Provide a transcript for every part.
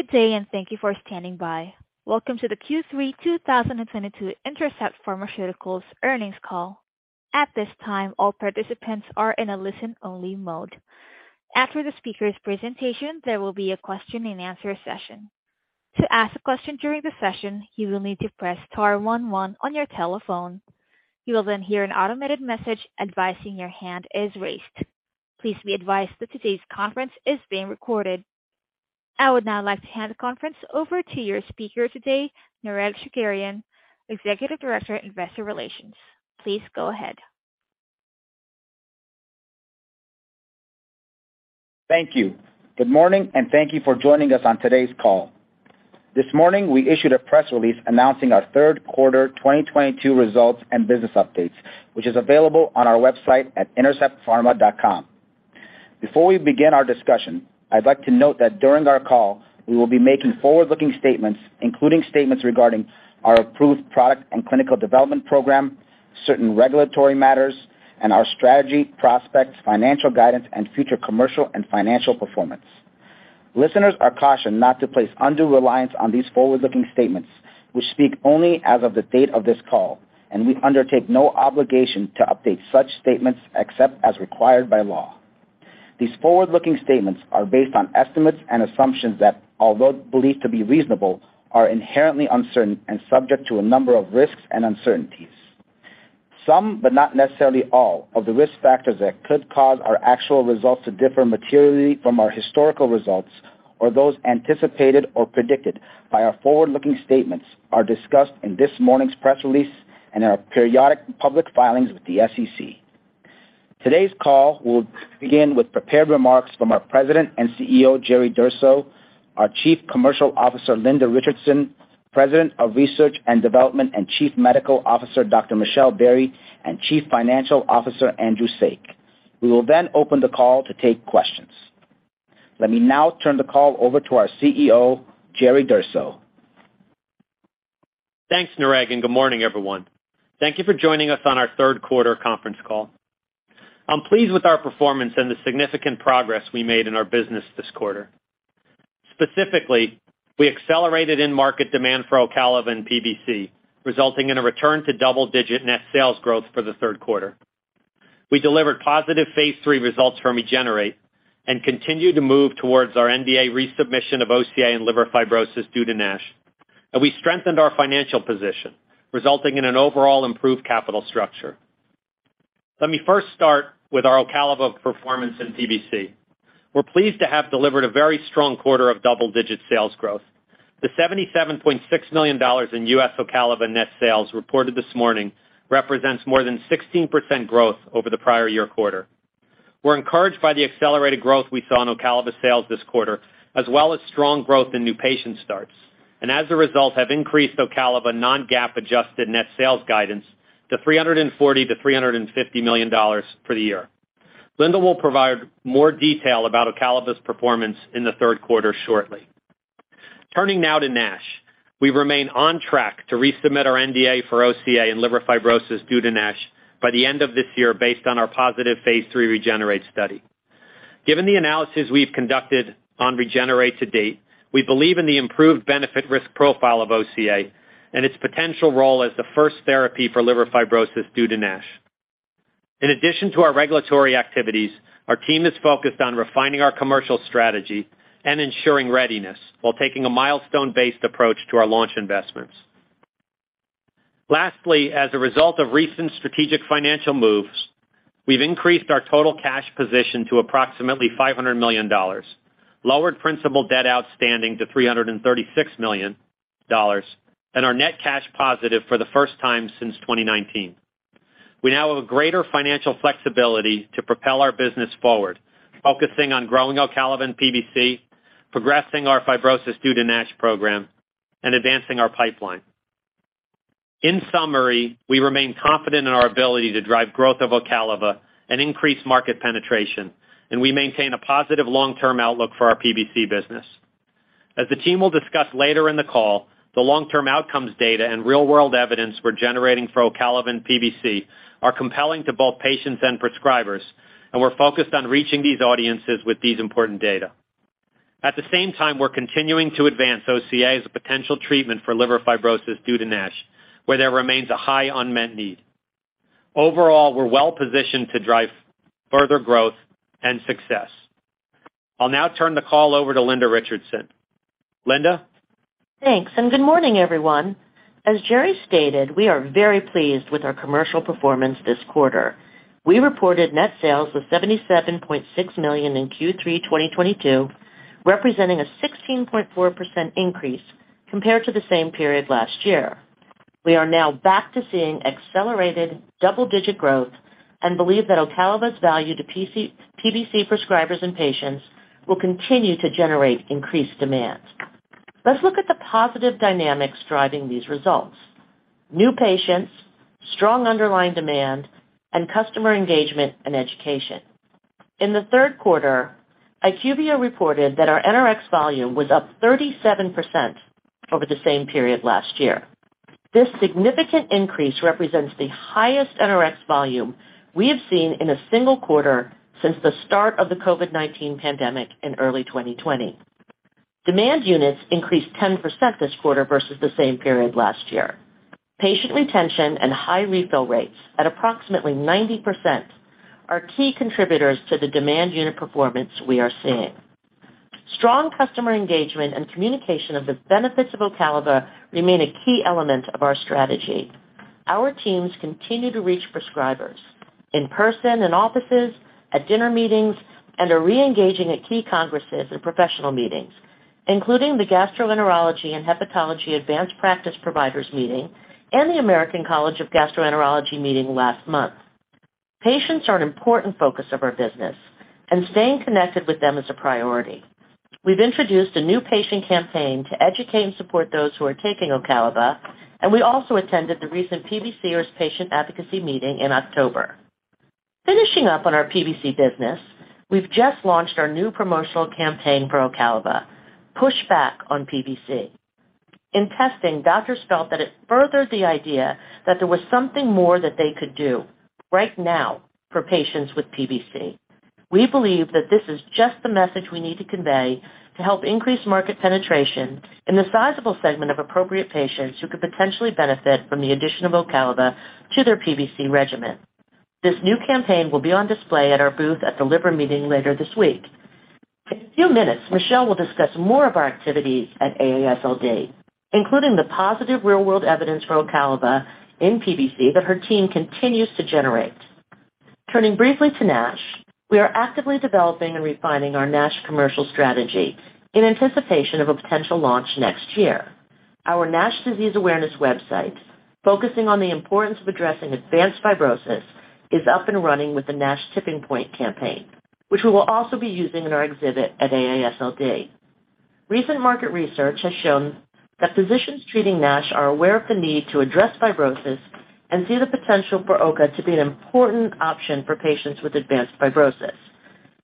Good day, and thank you for standing by. Welcome to the Q3 2022 Intercept Pharmaceuticals earnings call. At this time, all participants are in a listen-only mode. After the speaker's presentation, there will be a question-and-answer session. To ask a question during the session, you will need to press star one on your telephone. You will then hear an automated message advising your hand is raised. Please be advised that today's conference is being recorded. I would now like to hand the conference over to your speaker today, Nareg Sagherian, Executive Director, Investor Relations. Please go ahead. Thank you. Good morning, and thank you for joining us on today's call. This morning, we issued a press release announcing our 3rd quarter 2022 results and business updates, which is available on our website at interceptpharma.com. Before we begin our discussion, I'd like to note that during our call, we will be making forward-looking statements, including statements regarding our approved product and clinical development program, certain regulatory matters, and our strategy, prospects, financial guidance, and future commercial and financial performance. Listeners are cautioned not to place undue reliance on these forward-looking statements, which speak only as of the date of this call, and we undertake no obligation to update such statements except as required by law. These forward-looking statements are based on estimates and assumptions that, although believed to be reasonable, are inherently uncertain and subject to a number of risks and uncertainties. Some, but not necessarily all, of the risk factors that could cause our actual results to differ materially from our historical results or those anticipated or predicted by our forward-looking statements are discussed in this morning's press release and in our periodic public filings with the SEC. Today's call will begin with prepared remarks from our President and CEO, Jerry Durso, our Chief Commercial Officer, Linda Richardson, President of Research and Development and Chief Medical Officer, Dr. M. Michelle Berrey, and Chief Financial Officer, Andrew Saik. We will then open the call to take questions. Let me now turn the call over to our CEO, Jerry Durso. Thanks, Nareg, and good morning, everyone. Thank you for joining us on our 3rd quarter conference call. I'm pleased with our performance and the significant progress we made in our business this quarter. Specifically, we accelerated in-market demand for Ocaliva and PBC, resulting in a return to double-digit net sales growth for the 3rd quarter. We delivered positive Phase 3 results from REGENERATE and continued to move towards our NDA resubmission of OCA in liver fibrosis due to NASH. We strengthened our financial position, resulting in an overall improved capital structure. Let me first start with our Ocaliva performance in PBC. We're pleased to have delivered a very strong quarter of double-digit sales growth. The $77.6 million in U.S. Ocaliva net sales reported this morning represents more than 16% growth over the prior year quarter. We're encouraged by the accelerated growth we saw in Ocaliva sales this quarter, as well as strong growth in new patient starts, and as a result, have increased Ocaliva non-GAAP adjusted net sales guidance to $340 million-$350 million for the year. Linda will provide more detail about Ocaliva's performance in the 3rd quarter shortly. Turning now to NASH. We remain on track to resubmit our NDA for OCA in liver fibrosis due to NASH by the end of this year based on our positive Phase 3 REGENERATE study. Given the analysis we've conducted on REGENERATE to date, we believe in the improved benefit risk profile of OCA and its potential role as the first therapy for liver fibrosis due to NASH. In addition to our regulatory activities, our team is focused on refining our commercial strategy and ensuring readiness while taking a milestone-based approach to our launch investments. Lastly, as a result of recent strategic financial moves, we've increased our total cash position to approximately $500 million, lowered principal debt outstanding to $336 million, and are net cash positive for the first time since 2019. We now have a greater financial flexibility to propel our business forward, focusing on growing Ocaliva in PBC, progressing our fibrosis due to NASH program, and advancing our pipeline. In summary, we remain confident in our ability to drive growth of Ocaliva and increase market penetration, and we maintain a positive long-term outlook for our PBC business. As the team will discuss later in the call, the long-term outcomes data and real-world evidence we're generating for Ocaliva and PBC are compelling to both patients and prescribers, and we're focused on reaching these audiences with these important data. At the same time, we're continuing to advance OCA as a potential treatment for liver fibrosis due to NASH, where there remains a high unmet need. Overall, we're well-positioned to drive further growth and success. I'll now turn the call over to Linda Richardson. Linda? Thanks, good morning, everyone. As Jerry stated, we are very pleased with our commercial performance this quarter. We reported net sales of $77.6 million in Q3 2022, representing a 16.4% increase compared to the same period last year. We are now back to seeing accelerated double-digit growth and believe that Ocaliva's value to PBC prescribers and patients will continue to generate increased demand. Let's look at the positive dynamics driving these results. New patients, strong underlying demand, and customer engagement and education. In the 3rd quarter, IQVIA reported that our NRX volume was up 37% over the same period last year. This significant increase represents the highest NRX volume we have seen in a single quarter since the start of the COVID-19 pandemic in early 2020. Demand units increased 10% this quarter versus the same period last year. Patient retention and high refill rates at approximately 90% are key contributors to the demand unit performance we are seeing. Strong customer engagement and communication of the benefits of Ocaliva remain a key element of our strategy. Our teams continue to reach prescribers in person, in offices, at dinner meetings, and are re-engaging at key congresses and professional meetings, including the Gastroenterology and Hepatology Advanced Practice Providers meeting and the American College of Gastroenterology meeting last month. Patients are an important focus of our business, and staying connected with them is a priority. We've introduced a new patient campaign to educate and support those who are taking Ocaliva, and we also attended the recent PBCers Patient Advocacy Group meeting in October. Finishing up on our PBC business, we've just launched our new promotional campaign for Ocaliva, Push Back on PBC. In testing, doctors felt that it furthered the idea that there was something more that they could do right now for patients with PBC. We believe that this is just the message we need to convey to help increase market penetration in the sizable segment of appropriate patients who could potentially benefit from the addition of Ocaliva to their PBC regimen. This new campaign will be on display at our booth at The Liver Meeting later this week. In a few minutes, Michelle will discuss more of our activities at AASLD, including the positive real-world evidence for Ocaliva in PBC that her team continues to generate. Turning briefly to NASH, we are actively developing and refining our NASH commercial strategy in anticipation of a potential launch next year. Our NASH disease awareness website, focusing on the importance of addressing advanced fibrosis, is up and running with the NASH Tipping Point campaign, which we will also be using in our exhibit at AASLD. Recent market research has shown that physicians treating NASH are aware of the need to address fibrosis and see the potential for OCA to be an important option for patients with advanced fibrosis.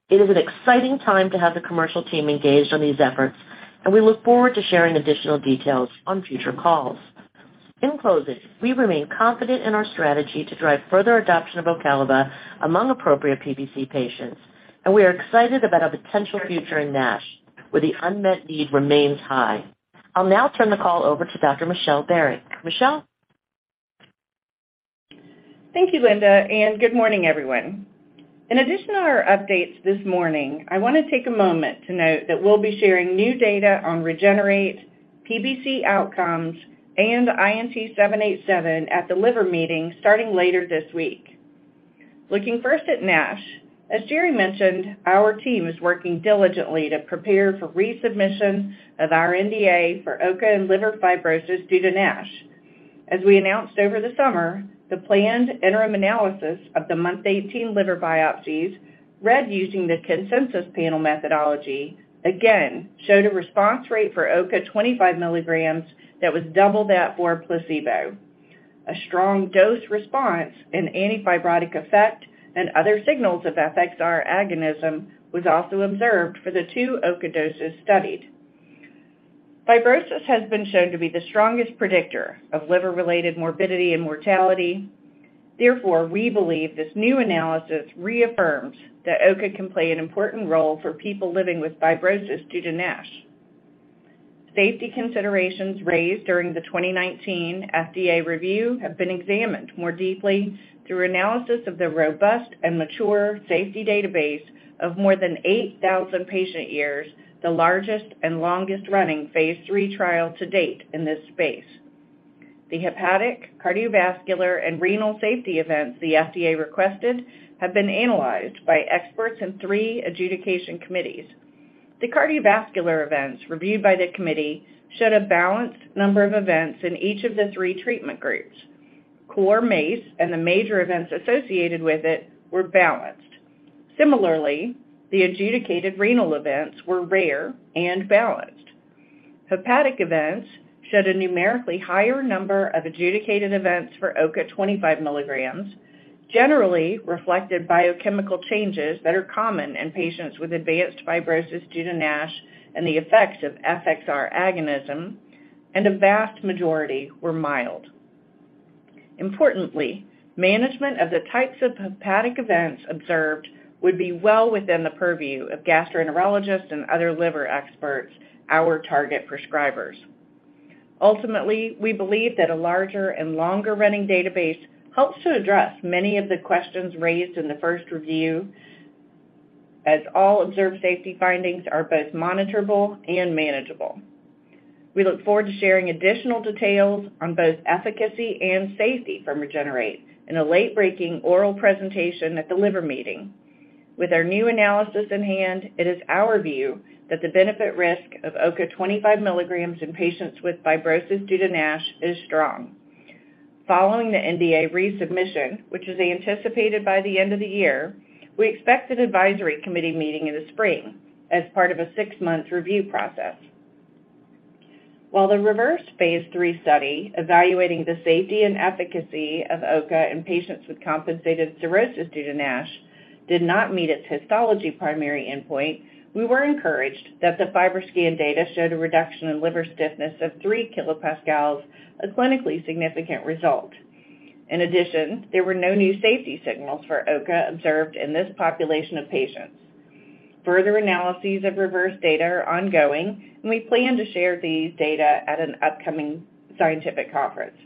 It is an exciting time to have the commercial team engaged on these efforts, and we look forward to sharing additional details on future calls. In closing, we remain confident in our strategy to drive further adoption of Ocaliva among appropriate PBC patients, and we are excited about our potential future in NASH, where the unmet need remains high. I'll now turn the call over to Dr. M. Michelle Berrey. Michelle? Thank you, Linda, and good morning, everyone. In addition to our updates this morning, I want to take a moment to note that we'll be sharing new data on REGENERATE PBC outcomes and INT-787 at the Liver Meeting starting later this week. Looking first at NASH, as Jerry mentioned, our team is working diligently to prepare for resubmission of our NDA for OCA in liver fibrosis due to NASH. As we announced over the summer, the planned interim analysis of the month 18 liver biopsies read using the consensus panel methodology again showed a response rate for OCA 25 milligrams that was double that for placebo. A strong dose response, an antifibrotic effect, and other signals of FXR agonism was also observed for the 2 OCA doses studied. Fibrosis has been shown to be the strongest predictor of liver-related morbidity and mortality. Therefore, we believe this new analysis reaffirms that OCA can play an important role for people living with fibrosis due to NASH. Safety considerations raised during the 2019 FDA review have been examined more deeply through analysis of the robust and mature safety database of more than 8,000 patient years, the largest and longest-running Phase 3 trial to date in this space. The hepatic, cardiovascular, and renal safety events the FDA requested have been analyzed by experts in three adjudication committees. The cardiovascular events reviewed by the committee showed a balanced number of events in each of the three treatment groups. Core MACE and the major events associated with it were balanced. Similarly, the adjudicated renal events were rare and balanced. Hepatic events showed a numerically higher number of adjudicated events for OCA 25 milligrams, generally reflected biochemical changes that are common in patients with advanced fibrosis due to NASH and the effects of FXR agonism, and a vast majority were mild. Importantly, management of the types of hepatic events observed would be well within the purview of gastroenterologists and other liver experts, our target prescribers. Ultimately, we believe that a larger and longer-running database helps to address many of the questions raised in the first review, as all observed safety findings are both monitorable and manageable. We look forward to sharing additional details on both efficacy and safety from REGENERATE in a late-breaking oral presentation at the Liver Meeting. With our new analysis in hand, it is our view that the benefit-risk of OCA 25 milligrams in patients with fibrosis due to NASH is strong. Following the NDA resubmission, which is anticipated by the end of the year, we expect an advisory committee meeting in the spring as part of a six-month review process. While the REVERSE Phase 3 study evaluating the safety and efficacy of OCA in patients with compensated cirrhosis due to NASH did not meet its histology primary endpoint, we were encouraged that the FibroScan data showed a reduction in liver stiffness of 3 kilopascals, a clinically significant result. In addition, there were no new safety signals for OCA observed in this population of patients. Further analyses of REVERSE data are ongoing, and we plan to share these data at an upcoming scientific conference.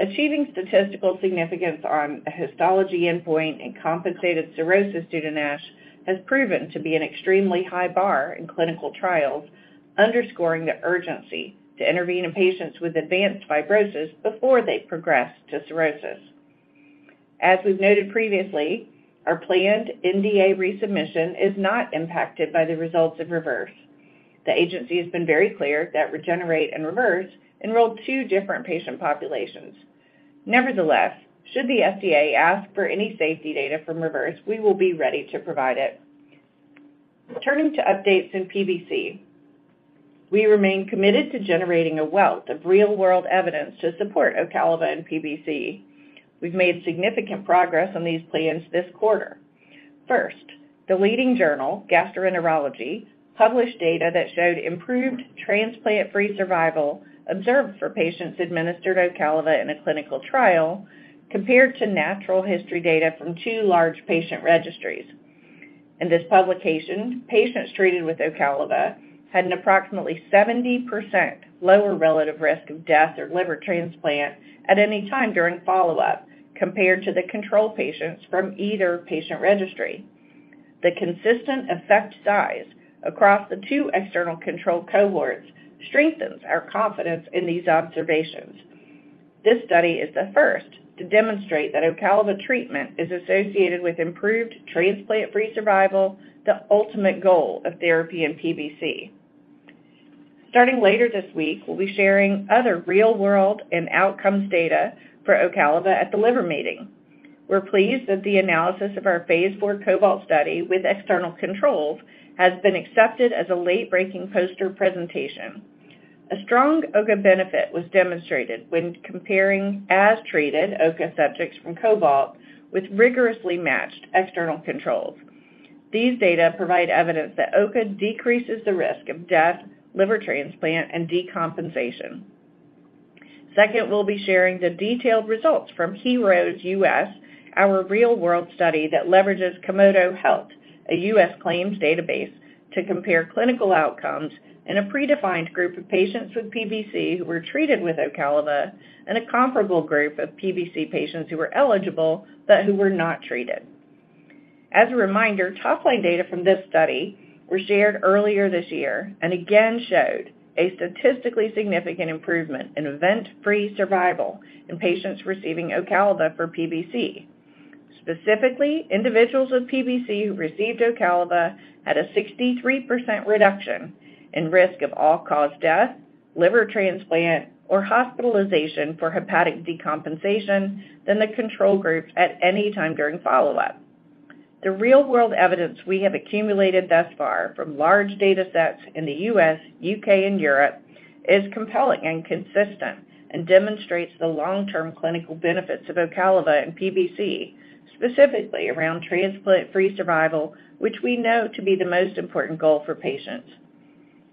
Achieving statistical significance on a histology endpoint in compensated cirrhosis due to NASH has proven to be an extremely high bar in clinical trials, underscoring the urgency to intervene in patients with advanced fibrosis before they progress to cirrhosis. As we've noted previously, our planned NDA resubmission is not impacted by the results of REVERSE. The agency has been very clear that REGENERATE and REVERSE enrolled two different patient populations. Nevertheless, should the FDA ask for any safety data from REVERSE, we will be ready to provide it. Turning to updates in PBC, we remain committed to generating a wealth of real-world evidence to support Ocaliva in PBC. We've made significant progress on these plans this quarter. First, the leading journal, Gastroenterology, published data that showed improved transplant-free survival observed for patients administered Ocaliva in a clinical trial compared to natural history data from 2 large patient registries. In this publication, patients treated with Ocaliva had an approximately 70% lower relative risk of death or liver transplant at any time during follow-up compared to the control patients from either patient registry. The consistent effect size across the two external control cohorts strengthens our confidence in these observations. This study is the first to demonstrate that Ocaliva treatment is associated with improved transplant-free survival, the ultimate goal of therapy in PBC. Starting later this week, we'll be sharing other real-world and outcomes data for Ocaliva at the Liver Meeting. We're pleased that the analysis of our Phase 4 COBALT study with external controls has been accepted as a late-breaking poster presentation. A strong OCA benefit was demonstrated when comparing as-treated OCA subjects from COBALT with rigorously matched external controls. These data provide evidence that OCA decreases the risk of death, liver transplant, and decompensation. Second, we'll be sharing the detailed results from HEROES-U.S., our real-world study that leverages Komodo Health, a U.S. claims database to compare clinical outcomes in a predefined group of patients with PBC who were treated with Ocaliva and a comparable group of PBC patients who were eligible, but who were not treated. As a reminder, top-line data from this study were shared earlier this year and again showed a statistically significant improvement in event-free survival in patients receiving Ocaliva for PBC. Specifically, individuals with PBC who received Ocaliva had a 63% reduction in risk of all-cause death, liver transplant, or hospitalization for hepatic decompensation than the control group at any time during follow-up. The real-world evidence we have accumulated thus far from large datasets in the U.S., U.K., and Europe is compelling and consistent and demonstrates the long-term clinical benefits of Ocaliva in PBC, specifically around transplant-free survival, which we know to be the most important goal for patients.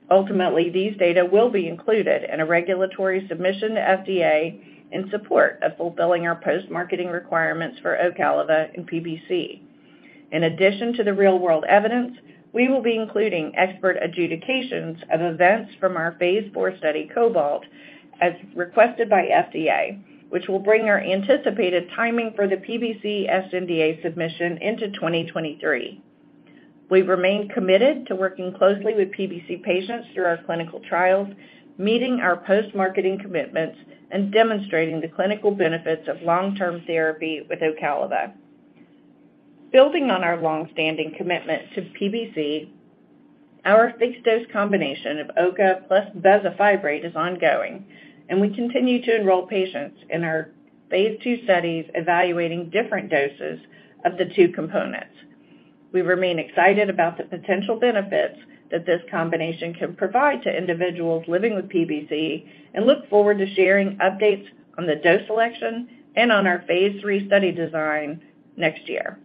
Ultimately, these data will be included in a regulatory submission to FDA in support of fulfilling our post-marketing requirements for Ocaliva in PBC. In addition to the real-world evidence, we will be including expert adjudications of events from our Phase 4 study, COBALT, as requested by FDA, which will bring our anticipated timing for the PBC sNDA submission into 2023. We remain committed to working closely with PBC patients through our clinical trials, meeting our post-marketing commitments, and demonstrating the clinical benefits of long-term therapy with Ocaliva. Building on our long-standing commitment to PBC, our fixed-dose combination of OCA plus bezafibrate is ongoing, and we continue to enroll patients in our Phase 2 studies evaluating different doses of the two components. We remain excited about the potential benefits that this combination can provide to individuals living with PBC and look forward to sharing updates on the dose selection and on our Phase 3 study design next year.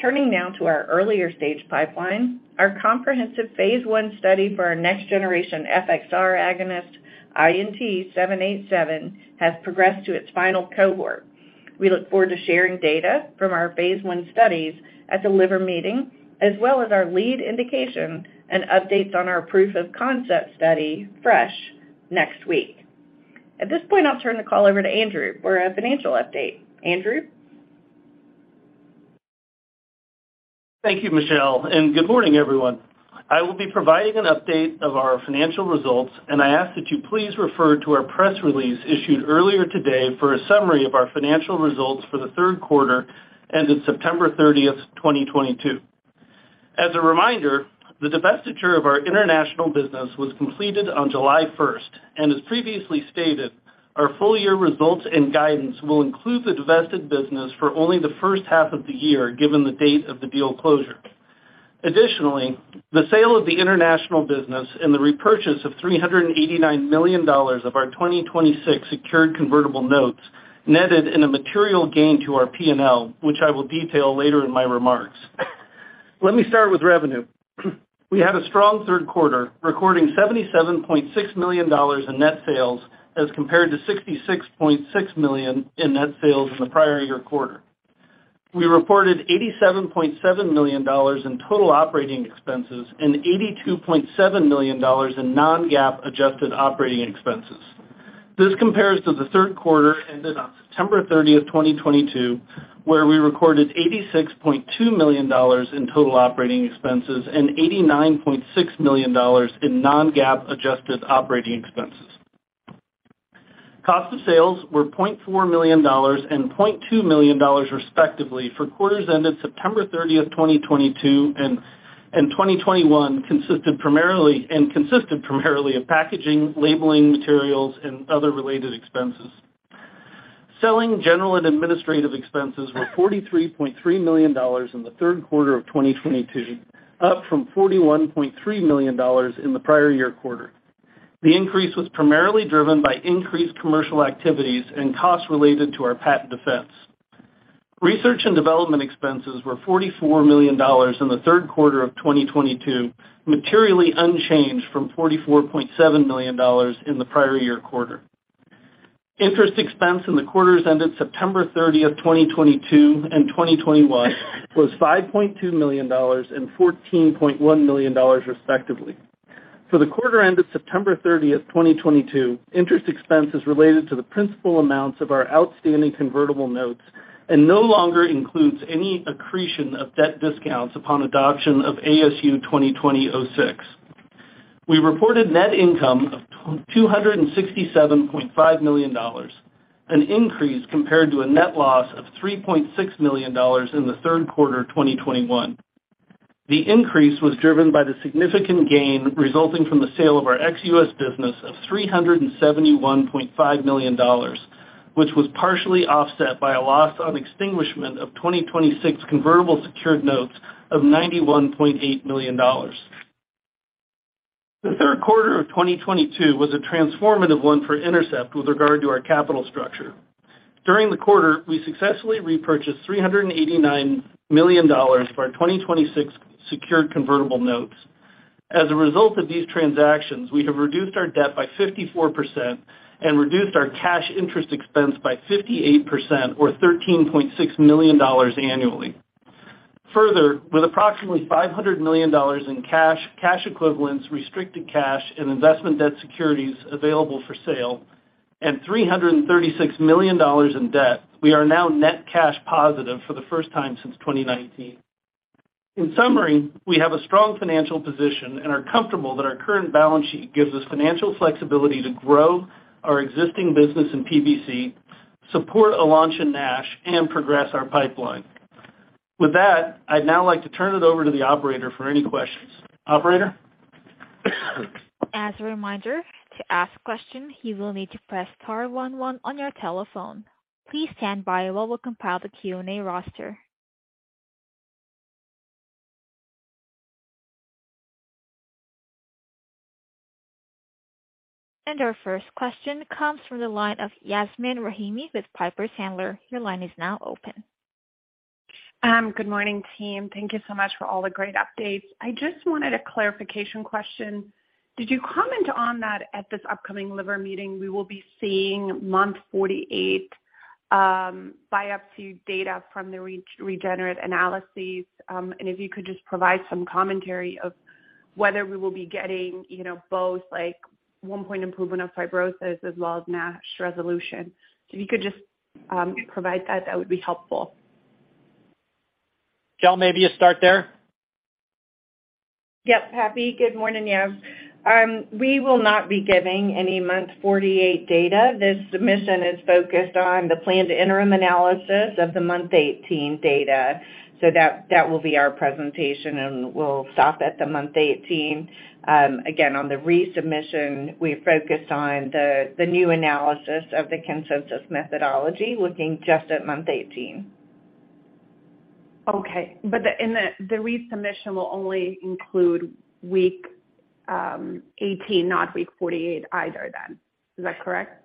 Turning now to our earlier stage pipeline, our comprehensive Phase 1 study for our next-generation FXR agonist, INT-787, has progressed to its final cohort. We look forward to sharing data from our Phase 1 studies at the Liver Meeting, as well as our lead indication and updates on our proof of concept study, FRESH, next week. At this point, I'll turn the call over to Andrew for a financial update. Andrew? Thank you, Michelle, and good morning, everyone. I will be providing an update of our financial results, and I ask that you please refer to our press release issued earlier today for a summary of our financial results for the 3rd quarter ended September 30, 2022. As a reminder, the divestiture of our international business was completed on July 1, and as previously stated, our full-year results and guidance will include the divested business for only the first half of the year, given the date of the deal closure. Additionally, the sale of the international business and the repurchase of $389 million of our 2026 secured convertible notes netted in a material gain to our P&L, which I will detail later in my remarks. Let me start with revenue. We had a strong 3rd quarter, recording $77.6 million in net sales as compared to $66.6 million in net sales in the prior year quarter. We reported $87.7 million in total operating expenses and $82.7 million in non-GAAP adjusted operating expenses. This compares to the 3rd quarter ended on September 30, 2022, where we recorded $86.2 million in total operating expenses and $89.6 million in non-GAAP adjusted operating expenses. Cost of sales were $0.4 million and $0.2 million, respectively, for quarters ended September 30, 2022, and 2021, and consisted primarily of packaging, labeling materials, and other related expenses. Selling, general and administrative expenses were $43.3 million in the 3rd quarter of 2022, up from $41.3 million in the prior year quarter. The increase was primarily driven by increased commercial activities and costs related to our patent defense. Research and development expenses were $44 million in the 3rd quarter of 2022, materially unchanged from $44.7 million in the prior year quarter. Interest expense in the quarters ended September 30, 2022 and 2021 was $5.2 million and $14.1 million, respectively. For the quarter ended September 30, 2022, interest expense is related to the principal amounts of our outstanding convertible notes and no longer includes any accretion of debt discounts upon adoption of ASU 2020-06. We reported net income of $267.5 million, an increase compared to a net loss of $3.6 million in the 3rd quarter of 2021. The increase was driven by the significant gain resulting from the sale of our ex-U.S. business of $371.5 million, which was partially offset by a loss on extinguishment of 2026 convertible secured notes of $91.8 million. The 3rd quarter of 2022 was a transformative one for Intercept with regard to our capital structure. During the quarter, we successfully repurchased $389 million for our 2026 secured convertible notes. As a result of these transactions, we have reduced our debt by 54% and reduced our cash interest expense by 58% or $13.6 million annually. Further, with approximately $500 million in cash equivalents, restricted cash and investment debt securities available for sale and $336 million in debt, we are now net cash positive for the first time since 2019. In summary, we have a strong financial position and are comfortable that our current balance sheet gives us financial flexibility to grow our existing business in PBC, support Ocaliva NASH, and progress our pipeline. With that, I'd now like to turn it over to the operator for any questions. Operator? As a reminder, to ask questions, you will need to press star one one on your telephone. Please stand by while we compile the Q&A roster. Our first question comes from the line of Yasmeen Rahimi with Piper Sandler. Your line is now open. Good morning, team. Thank you so much for all the great updates. I just wanted a clarification question. Did you comment on that at this upcoming Liver Meeting, we will be seeing month 48 biopsy data from the REGENERATE analyses? And if you could just provide some commentary of whether we will be getting, you know, both, like, 1-point improvement of fibrosis as well as NASH resolution. If you could just provide that would be helpful. Michelle, maybe you start there. Yep, happy. Good morning, Yasmeen. We will not be giving any month 48 data. This submission is focused on the planned interim analysis of the month 18 data. That will be our presentation, and we'll stop at the month 18. Again, on the resubmission, we're focused on the new analysis of the consensus methodology, looking just at month 18. The resubmission will only include week 18, not week 48 either then. Is that correct?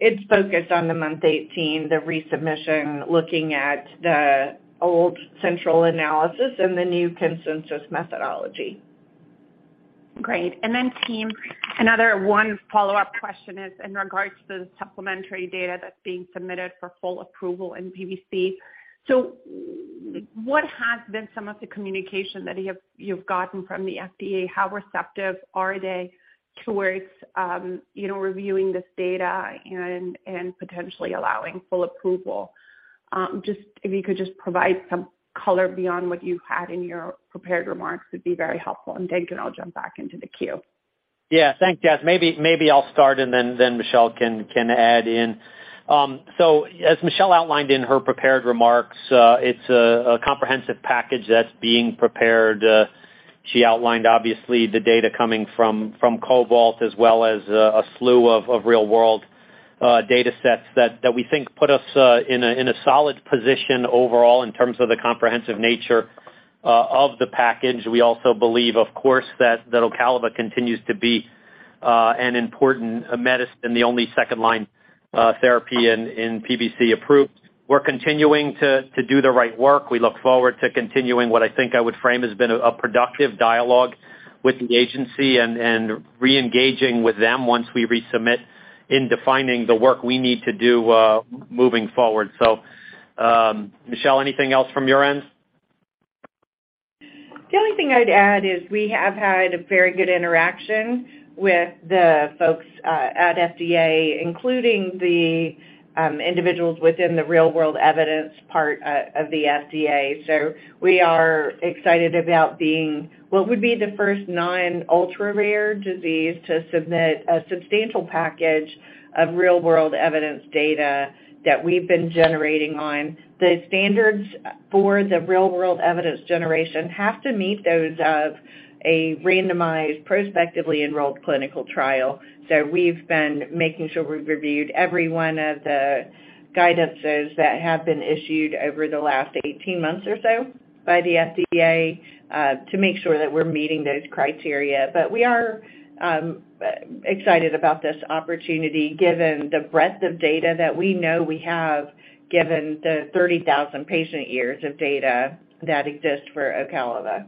It's focused on the month 18, the resubmission, looking at the old central analysis and the new consensus methodology. Great. Team, another one follow-up question is in regards to the supplementary data that's being submitted for full approval in PBC. What has been some of the communication that you've gotten from the FDA? How receptive are they towards reviewing this data and potentially allowing full approval? Just if you could just provide some color beyond what you had in your prepared remarks would be very helpful. Jerry, I'll jump back into the queue. Yeah. Thanks, Yasmeen. Maybe I'll start and then Michelle can add in. As Michelle outlined in her prepared remarks, it's a comprehensive package that's being prepared. She outlined obviously the data coming from Cobalt as well as a slew of real-world data sets that we think put us in a solid position overall in terms of the comprehensive nature of the package. We also believe, of course, that Ocaliva continues to be an important medicine, the only second line therapy in PBC approved. We're continuing to do the right work. We look forward to continuing what I think I would frame has been a productive dialogue with the agency and re-engaging with them once we resubmit in defining the work we need to do moving forward. Michelle, anything else from your end? The only thing I'd add is we have had a very good interaction with the folks at FDA, including the individuals within the real-world evidence part of the FDA. We are excited about being what would be the first non ultra-rare disease to submit a substantial package of real-world evidence data that we've been generating on. The standards for the real-world evidence generation have to meet those of a randomized, prospectively enrolled clinical trial. We've been making sure we've reviewed every one of the guidances that have been issued over the last 18 months or so by the FDA to make sure that we're meeting those criteria. We are excited about this opportunity given the breadth of data that we know we have, given the 30,000 patient years of data that exist for Ocaliva.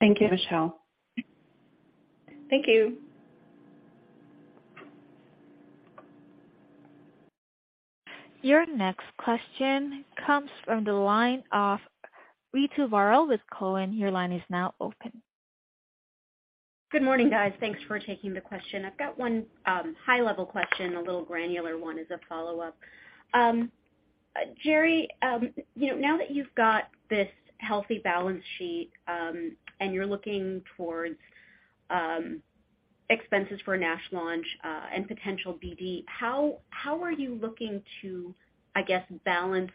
Thank you, Michelle. Thank you. Your next question comes from the line of Ritu Baral with Cowen. Your line is now open. Good morning, guys. Thanks for taking the question. I've got one high level question, a little granular one as a follow-up. Jerry, you know, now that you've got this healthy balance sheet, and you're looking towards expenses for a NASH launch, and potential BD, how are you looking to, I guess, balance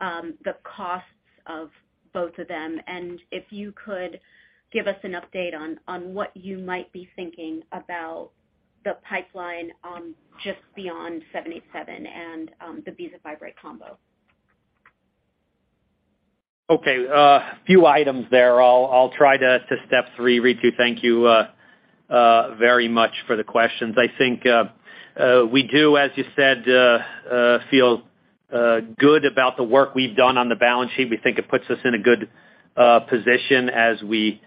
the costs of both of them? If you could give us an update on what you might be thinking about the pipeline on just beyond INT-787 and the bezafibrate combo. Okay, few items there. I'll try to step through, Ritu. Thank you, very much for the questions. I think we do, as you said, feel good about the work we've done on the balance sheet. We think it puts us in a good position as we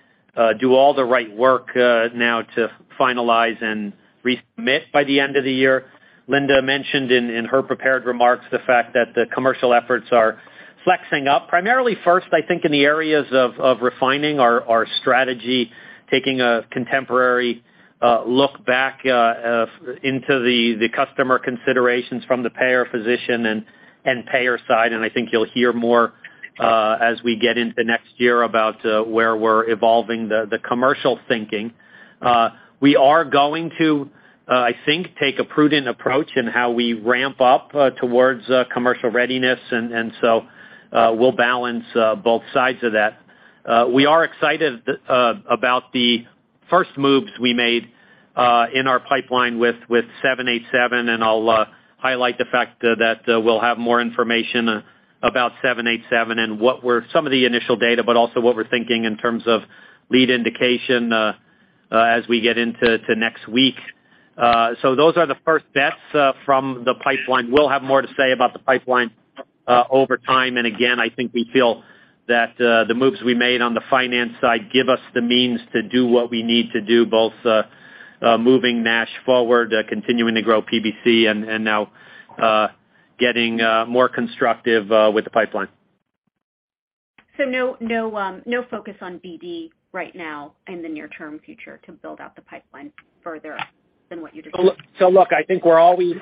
do all the right work now to finalize and resubmit by the end of the year. Linda mentioned in her prepared remarks the fact that the commercial efforts are flexing up primarily first, I think, in the areas of refining our strategy, taking a contemporary look back into the customer considerations from the payer position and payer side. I think you'll hear more, as we get into next year about where we're evolving the commercial thinking. We are going to, I think, take a prudent approach in how we ramp up towards commercial readiness. We'll balance both sides of that. We are excited about the first moves we made in our pipeline with seven eight seven, and I'll highlight the fact that we'll have more information about seven eight seven and what were some of the initial data, but also what we're thinking in terms of lead indication, as we get into next week. Those are the first bets from the pipeline. We'll have more to say about the pipeline over time. Again, I think we feel that the moves we made on the finance side give us the means to do what we need to do, both moving NASH forward, continuing to grow PBC and now getting more constructive with the pipeline. No focus on BD right now in the near-term future to build out the pipeline further than what you just said? Look, I think we're always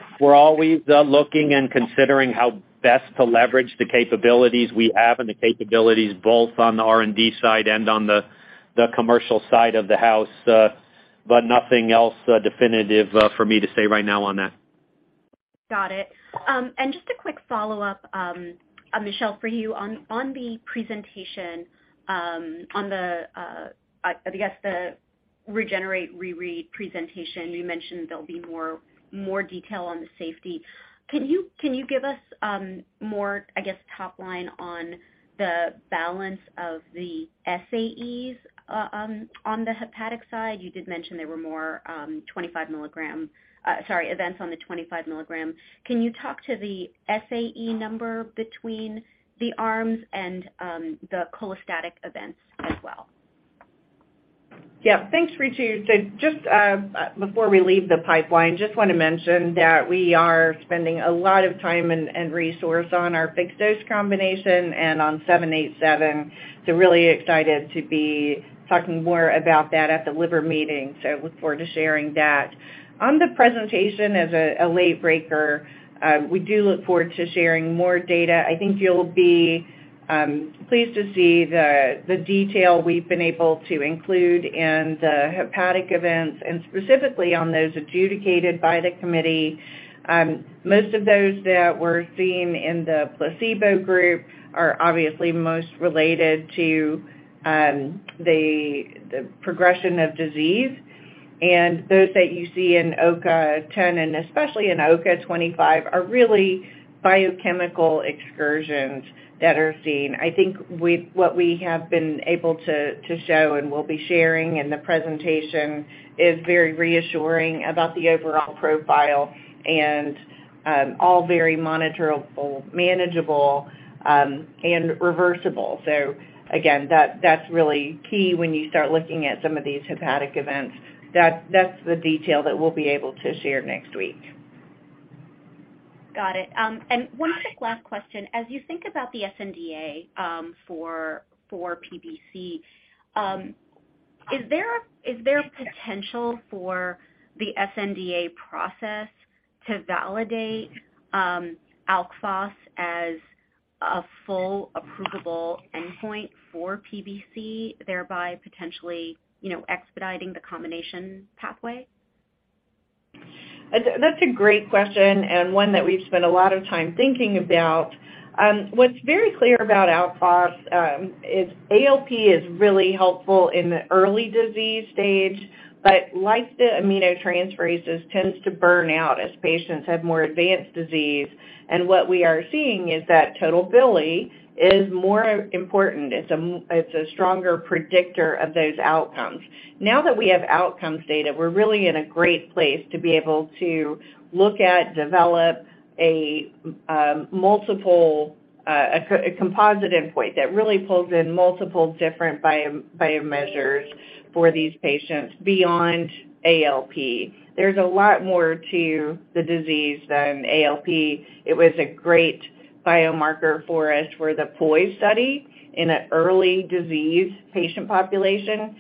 looking and considering how best to leverage the capabilities we have and the capabilities both on the R&D side and on the commercial side of the house. Nothing else definitive for me to say right now on that. Got it. And just a quick follow-up, Michelle, for you. On the presentation, I guess the REGENERATE reread presentation, you mentioned there'll be more detail on the safety. Can you give us more, I guess, top line on the balance of the SAEs on the hepatic side? You did mention there were more 25 milligrams. Sorry, events on the 25 milligrams. Can you talk to the SAE number between the arms and the cholestatic events as well? Yeah. Thanks, Ritu. Just before we leave the pipeline, just want to mention that we are spending a lot of time and resource on our fixed-dose combination and on 787. Really excited to be talking more about that at the Liver Meeting. Look forward to sharing that. On the presentation as a late breaker, we do look forward to sharing more data. I think you'll be pleased to see the detail we've been able to include in the hepatic events and specifically on those adjudicated by the committee. Most of those that we're seeing in the placebo group are obviously most related to the progression of disease. And those that you see in OCA 10, and especially in OCA 25, are really biochemical excursions that are seen. I think what we have been able to show and we'll be sharing in the presentation is very reassuring about the overall profile and all very monitorable, manageable, and reversible. Again, that's really key when you start looking at some of these hepatic events. That's the detail that we'll be able to share next week. Got it. One quick last question. As you think about the sNDA for PBC, is there potential for the sNDA process to validate AlkPhos as a full approvable endpoint for PBC, thereby potentially, you know, expediting the combination pathway? That's a great question and one that we've spent a lot of time thinking about. What's very clear about AlkPhos is ALP is really helpful in the early disease stage, but like the aminotransferases tends to burn out as patients have more advanced disease. What we are seeing is that total bili is more important. It's a stronger predictor of those outcomes. Now that we have outcomes data, we're really in a great place to be able to look at, develop a composite endpoint that really pulls in multiple different bio measures for these patients beyond ALP. There's a lot more to the disease than ALP. It was a great biomarker for us for the POISE study in an early disease patient population.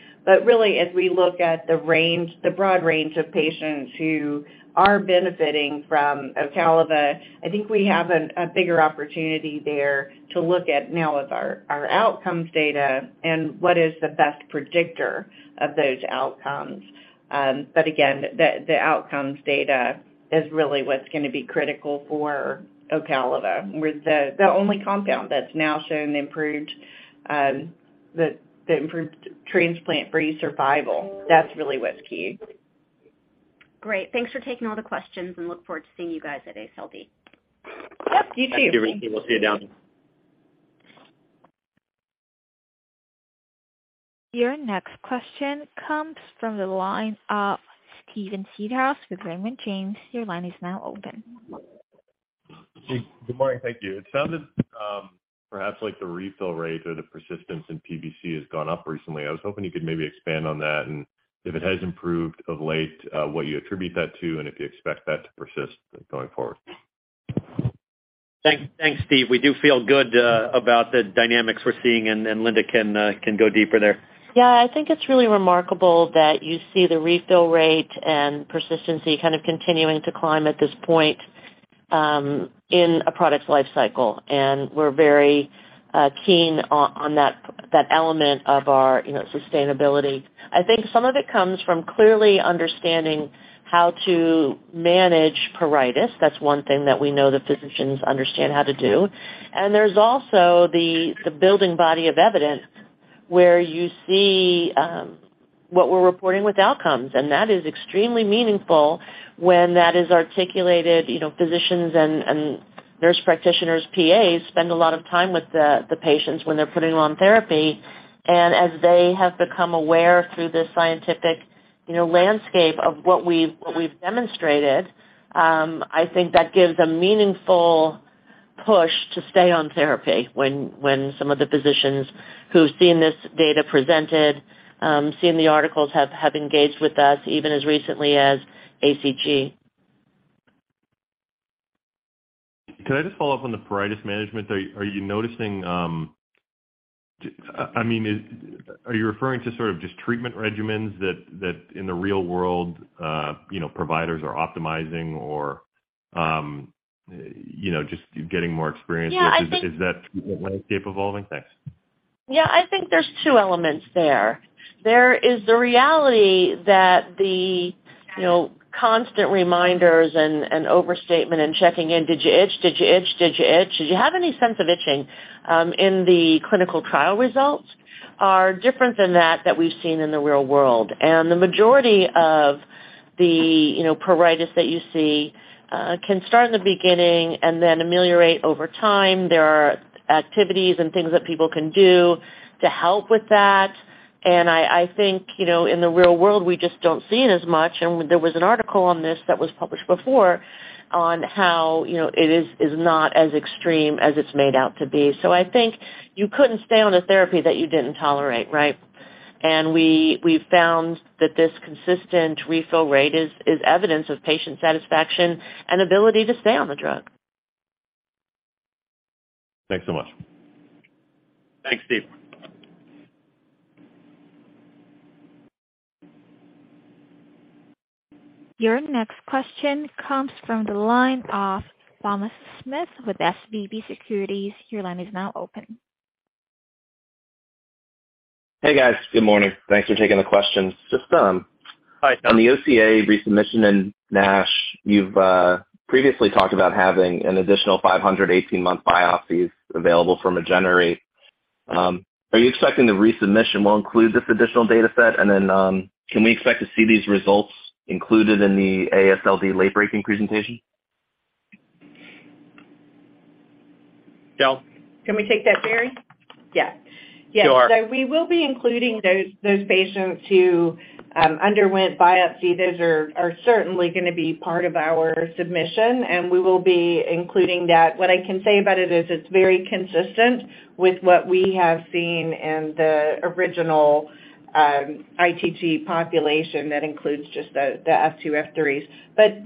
Really, as we look at the range, the broad range of patients who are benefiting from Ocaliva, I think we have a bigger opportunity there to look at now with our outcomes data and what is the best predictor of those outcomes. Again, the outcomes data is really what's gonna be critical for Ocaliva. We're the only compound that's now shown improved transplant-free survival. That's really what's key. Great. Thanks for taking all the questions. Look forward to seeing you guys at AASLD. Yep, you too. Thank you. We'll see you down. Your next question comes from the line of Steven Seedhouse with Raymond James. Your line is now open. Good morning. Thank you. It sounded, perhaps like the refill rate or the persistence in PBC has gone up recently. I was hoping you could maybe expand on that. If it has improved of late, what you attribute that to, and if you expect that to persist going forward. Thanks. Thanks, Steve. We do feel good about the dynamics we're seeing, and Linda can go deeper there. Yeah. I think it's really remarkable that you see the refill rate and persistency kind of continuing to climb at this point in a product's life cycle. We're very keen on that element of our, you know, sustainability. I think some of it comes from clearly understanding how to manage pruritus. That's one thing that we know that physicians understand how to do. There's also the building body of evidence where you see what we're reporting with outcomes, and that is extremely meaningful when that is articulated. You know, physicians and nurse practitioners, PAs, spend a lot of time with the patients when they're putting on therapy. As they have become aware through the scientific, you know, landscape of what we've demonstrated, I think that gives a meaningful push to stay on therapy when some of the physicians who've seen this data presented, seen the articles have engaged with us even as recently as ACG. Can I just follow up on the pruritus management? Are you noticing, I mean, are you referring to sort of just treatment regimens that in the real world, you know, providers are optimizing or, you know, just getting more experience with? Yeah, I think. Is that landscape evolving? Thanks. Yeah. I think there's two elements there. There is the reality that the, you know, constant reminders and overstatement and checking in, "Did you itch? Did you itch? Did you itch? Did you have any sense of itching?" in the clinical trial results are different than that we've seen in the real world. The majority of the, you know, pruritus that you see can start in the beginning and then ameliorate over time. There are activities and things that people can do to help with that. I think, you know, in the real world, we just don't see it as much. There was an article on this that was published before on how, you know, it is not as extreme as it's made out to be. I think you couldn't stay on a therapy that you didn't tolerate, right? We found that this consistent refill rate is evidence of patient satisfaction and ability to stay on the drug. Thanks so much. Thanks, Steve. Your next question comes from the line of Thomas Smith with SVB Securities. Your line is now open. Hey, guys. Good morning. Thanks for taking the questions. Just, Hi. On the OCA resubmission in NASH, you've previously talked about having an additional 518 18-month biopsies available from REGENERATE. Are you expecting the resubmission will include this additional data set? Can we expect to see these results included in the AASLD late breaking presentation? Michelle? Can we take that, Jerry? Yeah. Sure. Yes. We will be including those patients who underwent biopsy. Those are certainly gonna be part of our submission, and we will be including that. What I can say about it is it's very consistent with what we have seen in the original ITT population that includes just the F2, F3s.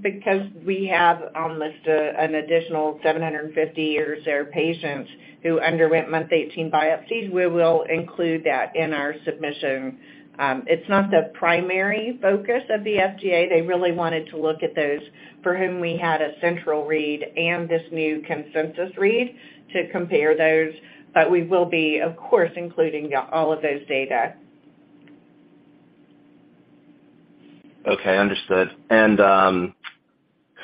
Because we have almost an additional 750 or so patients who underwent month 18 biopsies, we will include that in our submission. It's not the primary focus of the FDA. They really wanted to look at those for whom we had a central read and this new consensus read to compare those. We will be, of course, including all of those data. Okay. Understood.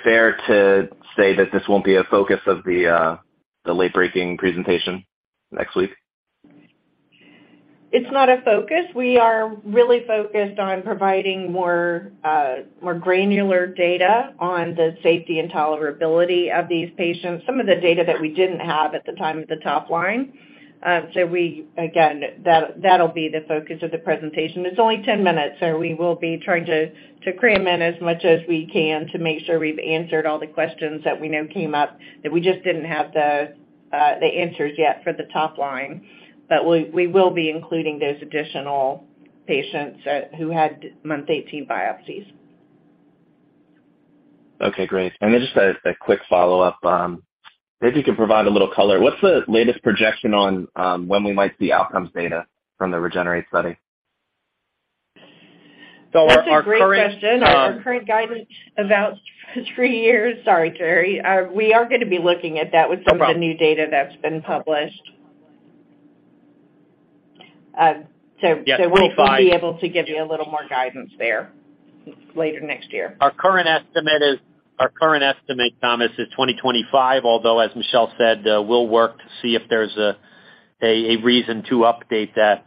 Fair to say that this won't be a focus of the late-breaking presentation next week? It's not a focus. We are really focused on providing more granular data on the safety and tolerability of these patients, some of the data that we didn't have at the time of the top line. Again, that'll be the focus of the presentation. It's only 10 minutes, so we will be trying to cram in as much as we can to make sure we've answered all the questions that we know came up, that we just didn't have the answers yet for the top line. We will be including those additional patients who had month 18 biopsies. Okay, great. Just a quick follow-up, maybe you could provide a little color. What's the latest projection on when we might see outcomes data from the REGENERATE study? Our current That's a great question. Our current guidance about three years. Sorry, Jerry. We are gonna be looking at that. No problem. with some of the new data that's been published. Yes. We should be able to give you a little more guidance there later next year. Our current estimate, Thomas, is 2025, although, as Michelle said, we'll work to see if there's a reason to update that,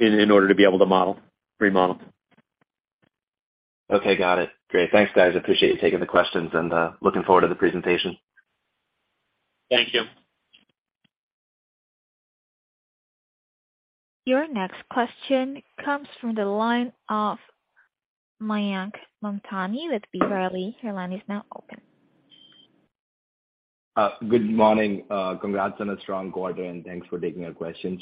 in order to be able to model, remodel. Okay. Got it. Great. Thanks, guys. Appreciate you taking the questions and looking forward to the presentation. Thank you. Your next question comes from the line of Mayank Mamtani with B. Riley Securities. Your line is now open. Good morning. Congrats on a strong quarter, and thanks for taking our question.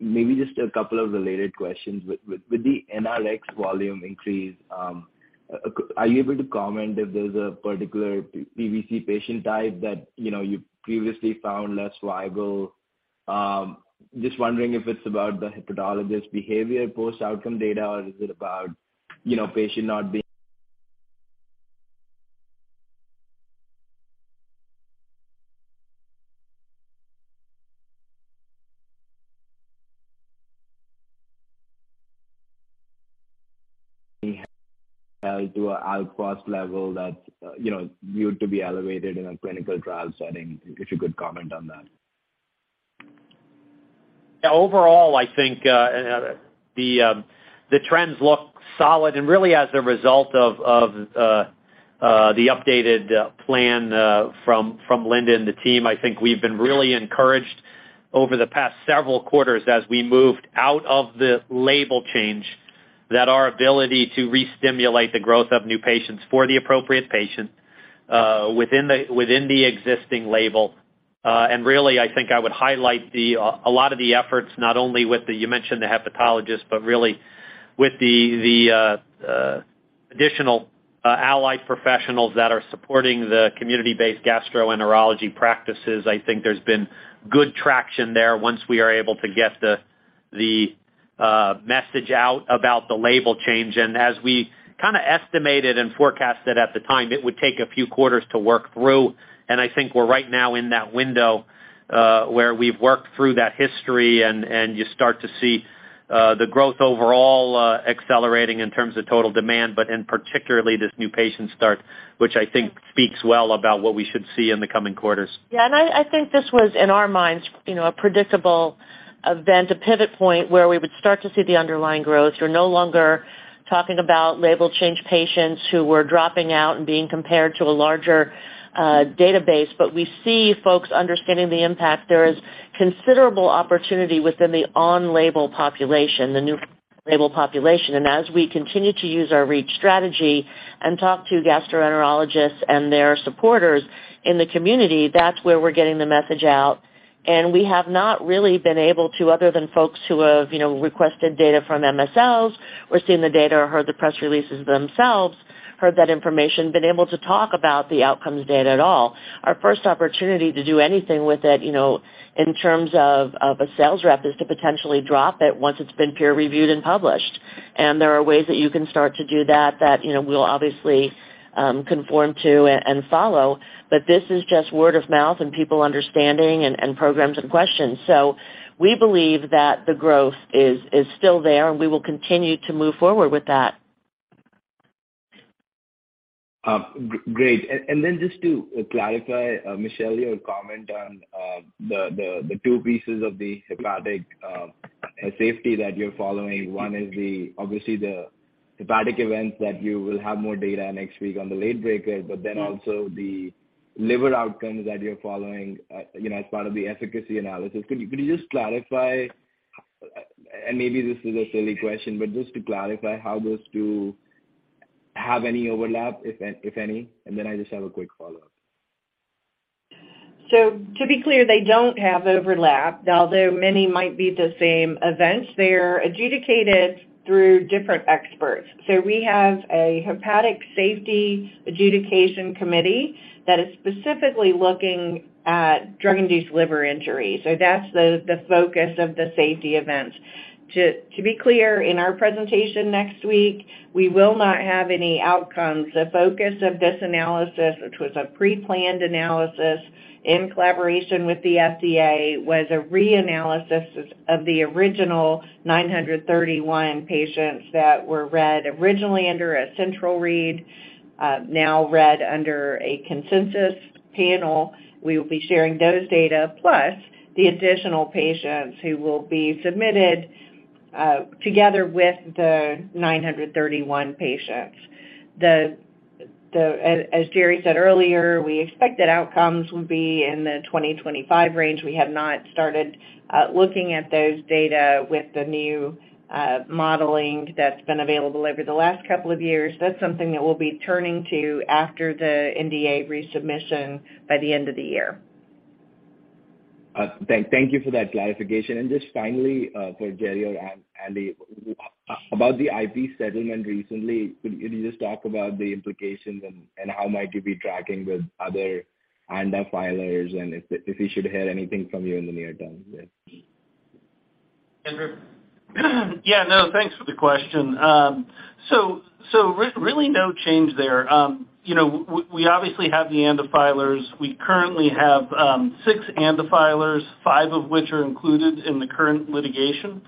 Maybe just a couple of related questions. With the Ocaliva volume increase, are you able to comment if there's a particular PBC patient type that, you know, you previously found less viable? Just wondering if it's about the hepatologist behavior post-outcome data, or is it about, you know, patient not being to Alk Phos level that, you know, viewed to be elevated in a clinical trial setting, if you could comment on that. Yeah. Overall, I think the trends look solid. Really as a result of the updated plan from Linda and the team, I think we've been really encouraged over the past several quarters as we moved out of the label change, that our ability to restimulate the growth of new patients for the appropriate patient within the existing label. Really, I think I would highlight a lot of the efforts not only with the you mentioned the hepatologist, but really with the additional allied professionals that are supporting the community-based gastroenterology practices. I think there's been good traction there once we are able to get the message out about the label change. As we kinda estimated and forecasted at the time, it would take a few quarters to work through. I think we're right now in that window, where we've worked through that history and you start to see the growth overall accelerating in terms of total demand, but then particularly this new patient start, which I think speaks well about what we should see in the coming quarters. Yeah. I think this was, in our minds, you know, a predictable event, a pivot point where we would start to see the underlying growth. We're no longer talking about label change patients who were dropping out and being compared to a larger database, but we see folks understanding the impact. There is considerable opportunity within the on-label population, the new label population. As we continue to use our reach strategy and talk to gastroenterologists and their supporters in the community, that's where we're getting the message out. We have not really been able to, other than folks who have, you know, requested data from MSLs or seen the data or heard the press releases themselves, heard that information, been able to talk about the outcomes data at all. Our first opportunity to do anything with it, you know, in terms of a sales rep, is to potentially drop it once it's been peer reviewed and published. There are ways that you can start to do that you know, we'll obviously conform to and follow. This is just word of mouth and people understanding and programs and questions. We believe that the growth is still there, and we will continue to move forward with that. Great. Just to clarify, Michelle, your comment on the two pieces of the hepatic safety that you're following. One is obviously the hepatic events that you will have more data next week on the late breaker, but then also the liver outcomes that you're following, you know, as part of the efficacy analysis. Could you just clarify, and maybe this is a silly question, but just to clarify how those two have any overlap, if any, and then I just have a quick follow-up. To be clear, they don't have overlap. Although many might be the same events, they are adjudicated through different experts. We have a hepatic safety adjudication committee that is specifically looking at drug-induced liver injury. That's the focus of the safety events. To be clear, in our presentation next week, we will not have any outcomes. The focus of this analysis, which was a pre-planned analysis in collaboration with the FDA, was a reanalysis of the original 931 patients that were read originally under a central read, now read under a consensus panel. We will be sharing those data plus the additional patients who will be submitted together with the 931 patients. As Jerry said earlier, we expect that outcomes will be in the 2025 range. We have not started looking at those data with the new modeling that's been available over the last couple of years. That's something that we'll be turning to after the NDA resubmission by the end of the year. Thank you for that clarification. Just finally, for Jerry or Andy, about the IP settlement recently, could you just talk about the implications and how might you be tracking with other ANDA filers and if we should hear anything from you in the near term there? Andrew. Yeah, no, thanks for the question. Really no change there. You know, we obviously have the ANDA filers. We currently have 6 ANDA filers, 5 of which are included in the current litigation.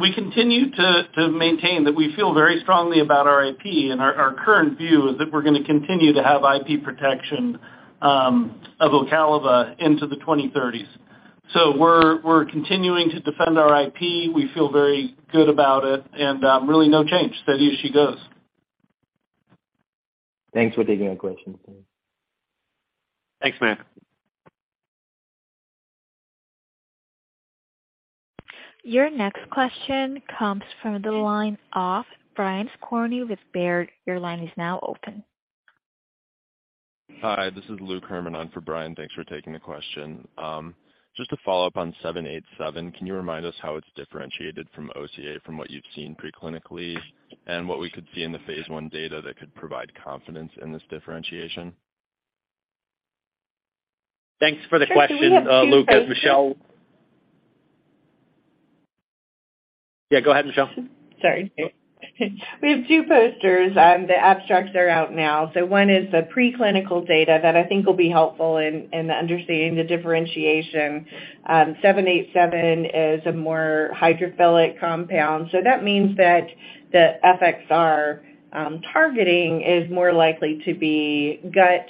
We continue to maintain that we feel very strongly about our IP, and our current view is that we're gonna continue to have IP protection of Ocaliva into the 2030s. We're continuing to defend our IP. We feel very good about it and really no change. Steady as she goes. Thanks for taking the question. Thanks, man. Your next question comes from the line of Brian Skorney with Baird. Your line is now open. Hi, this is Luke Herrmann for Brian. Thanks for taking the question. Just to follow up on 787, can you remind us how it's differentiated from OCA from what you've seen pre-clinically, and what we could see in the Phase 1 data that could provide confidence in this differentiation? Thanks for the question, Luke. As Michelle- Sure. We have two posters. Yeah, go ahead, Michelle. Sorry. We have two posters. The abstracts are out now. One is the pre-clinical data that I think will be helpful in understanding the differentiation. 787 is a more hydrophilic compound. That means that the FXR targeting is more likely to be gut,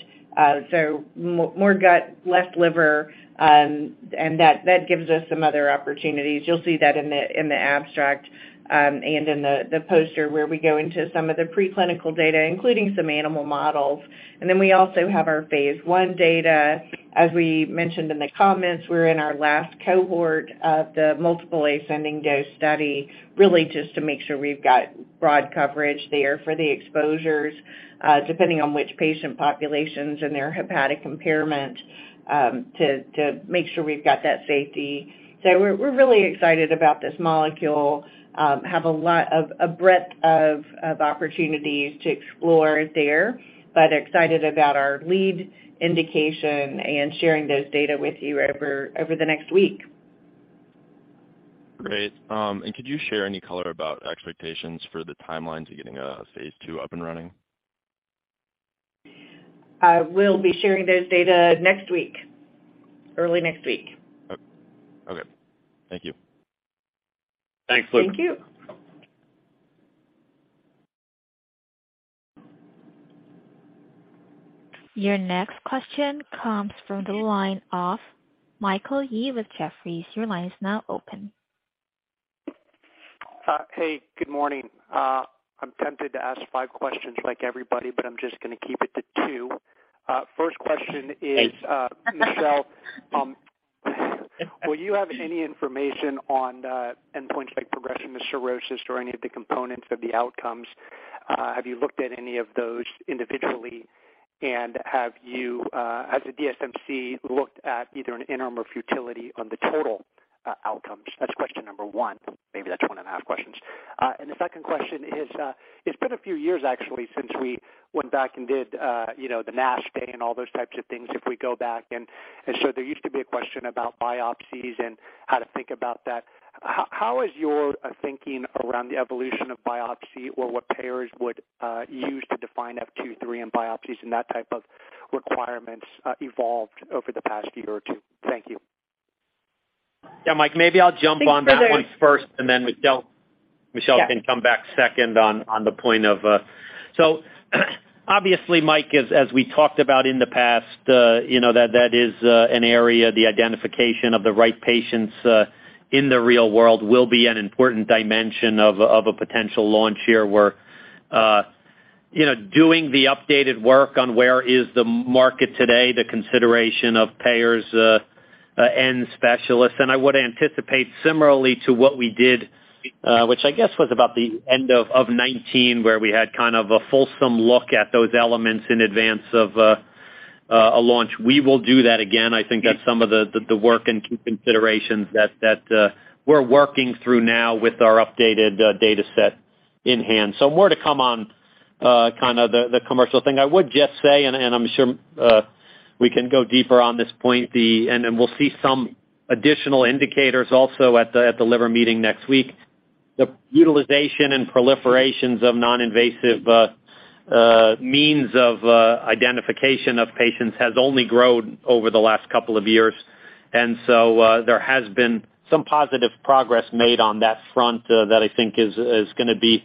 so more gut, less liver, and that gives us some other opportunities. You'll see that in the abstract, and in the poster where we go into some of the pre-clinical data, including some animal models. We also have our Phase 1 data. As we mentioned in the comments, we're in our last cohort of the multiple ascending dose study, really just to make sure we've got broad coverage there for the exposures, depending on which patient populations and their hepatic impairment, to make sure we've got that safety. We're really excited about this molecule, have a lot of breadth of opportunities to explore there, but excited about our lead indication and sharing those data with you over the next week. Great. Could you share any color about expectations for the timeline to getting Phase 2 up and running? I will be sharing those data next week, early next week. Okay. Thank you. Thanks, Luke. Thank you. Your next question comes from the line of Michael Yee with Jefferies. Your line is now open. Hey, good morning. I'm tempted to ask five questions like everybody, but I'm just gonna keep it to two. First question is, Michelle Berrey, will you have any information on endpoints like progression to cirrhosis or any of the components of the outcomes? Have you looked at any of those individually? And have you, as a DSMC, looked at either an interim or futility on the total outcomes? That's question number one. Maybe that's one and a half questions. The second question is, it's been a few years actually since we went back and did, you know, the NASH day and all those types of things, if we go back. So there used to be a question about biopsies and how to think about that. How is your thinking around the evolution of biopsy or what payers would use to define F2-F3 in biopsies and that type of requirements evolved over the past year or two? Thank you. Yeah, Mike, maybe I'll jump on that one first, and then Michelle can come back second on the point of. Obviously, Mike, as we talked about in the past, you know, that is an area, the identification of the right patients in the real world will be an important dimension of a potential launch here, where you know, doing the updated work on where is the market today, the consideration of payers and specialists. I would anticipate similarly to what we did, which I guess was about the end of 2019, where we had kind of a fulsome look at those elements in advance of a launch. We will do that again. I think that's some of the work and key considerations that we're working through now with our updated data set in hand. More to come on kinda the commercial thing. I would just say, and I'm sure we can go deeper on this point, and then we'll see some additional indicators also at the Liver Meeting next week. The utilization and proliferations of non-invasive means of identification of patients has only grown over the last couple of years. There has been some positive progress made on that front that I think is gonna be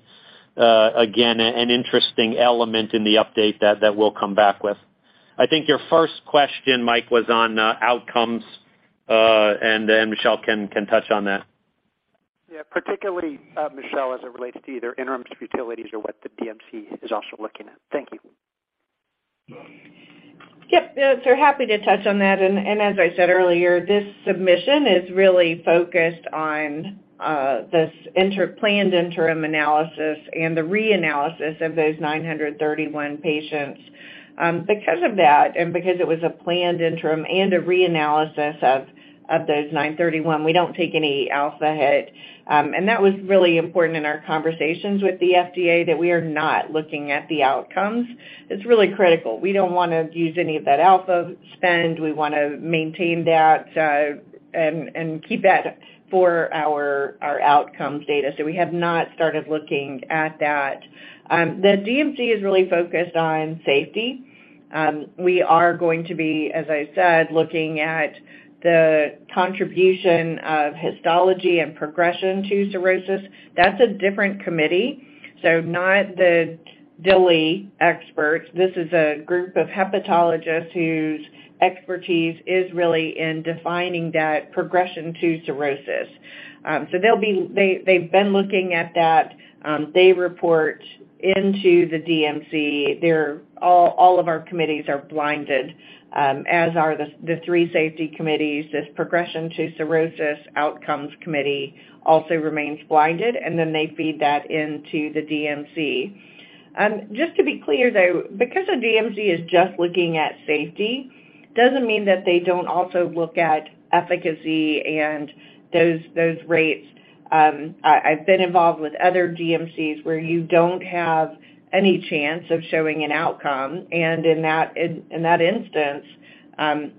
again an interesting element in the update that we'll come back with. I think your first question, Mike, was on outcomes, and then Michelle can touch on that. Yeah, particularly, Michelle, as it relates to either interim futility or what the DMC is also looking at. Thank you. Yep, happy to touch on that. As I said earlier, this submission is really focused on this planned interim analysis and the reanalysis of those 931 patients. Because of that, and because it was a planned interim and a reanalysis of those 931, we don't take any alpha hit. That was really important in our conversations with the FDA that we are not looking at the outcomes. It's really critical. We don't wanna use any of that alpha spend. We wanna maintain that and keep that for our outcomes data. We have not started looking at that. The DMC is really focused on safety. We are going to be, as I said, looking at the contribution of histology and progression to cirrhosis. That's a different committee, so not the DILI experts. This is a group of hepatologists whose expertise is really in defining that progression to cirrhosis. They've been looking at that. They report into the DMC. All of our committees are blinded, as are the three safety committees. This progression to cirrhosis outcomes committee also remains blinded, and then they feed that into the DMC. Just to be clear, though, because the DMC is just looking at safety, doesn't mean that they don't also look at efficacy and those rates. I've been involved with other DMCs where you don't have any chance of showing an outcome, and in that instance,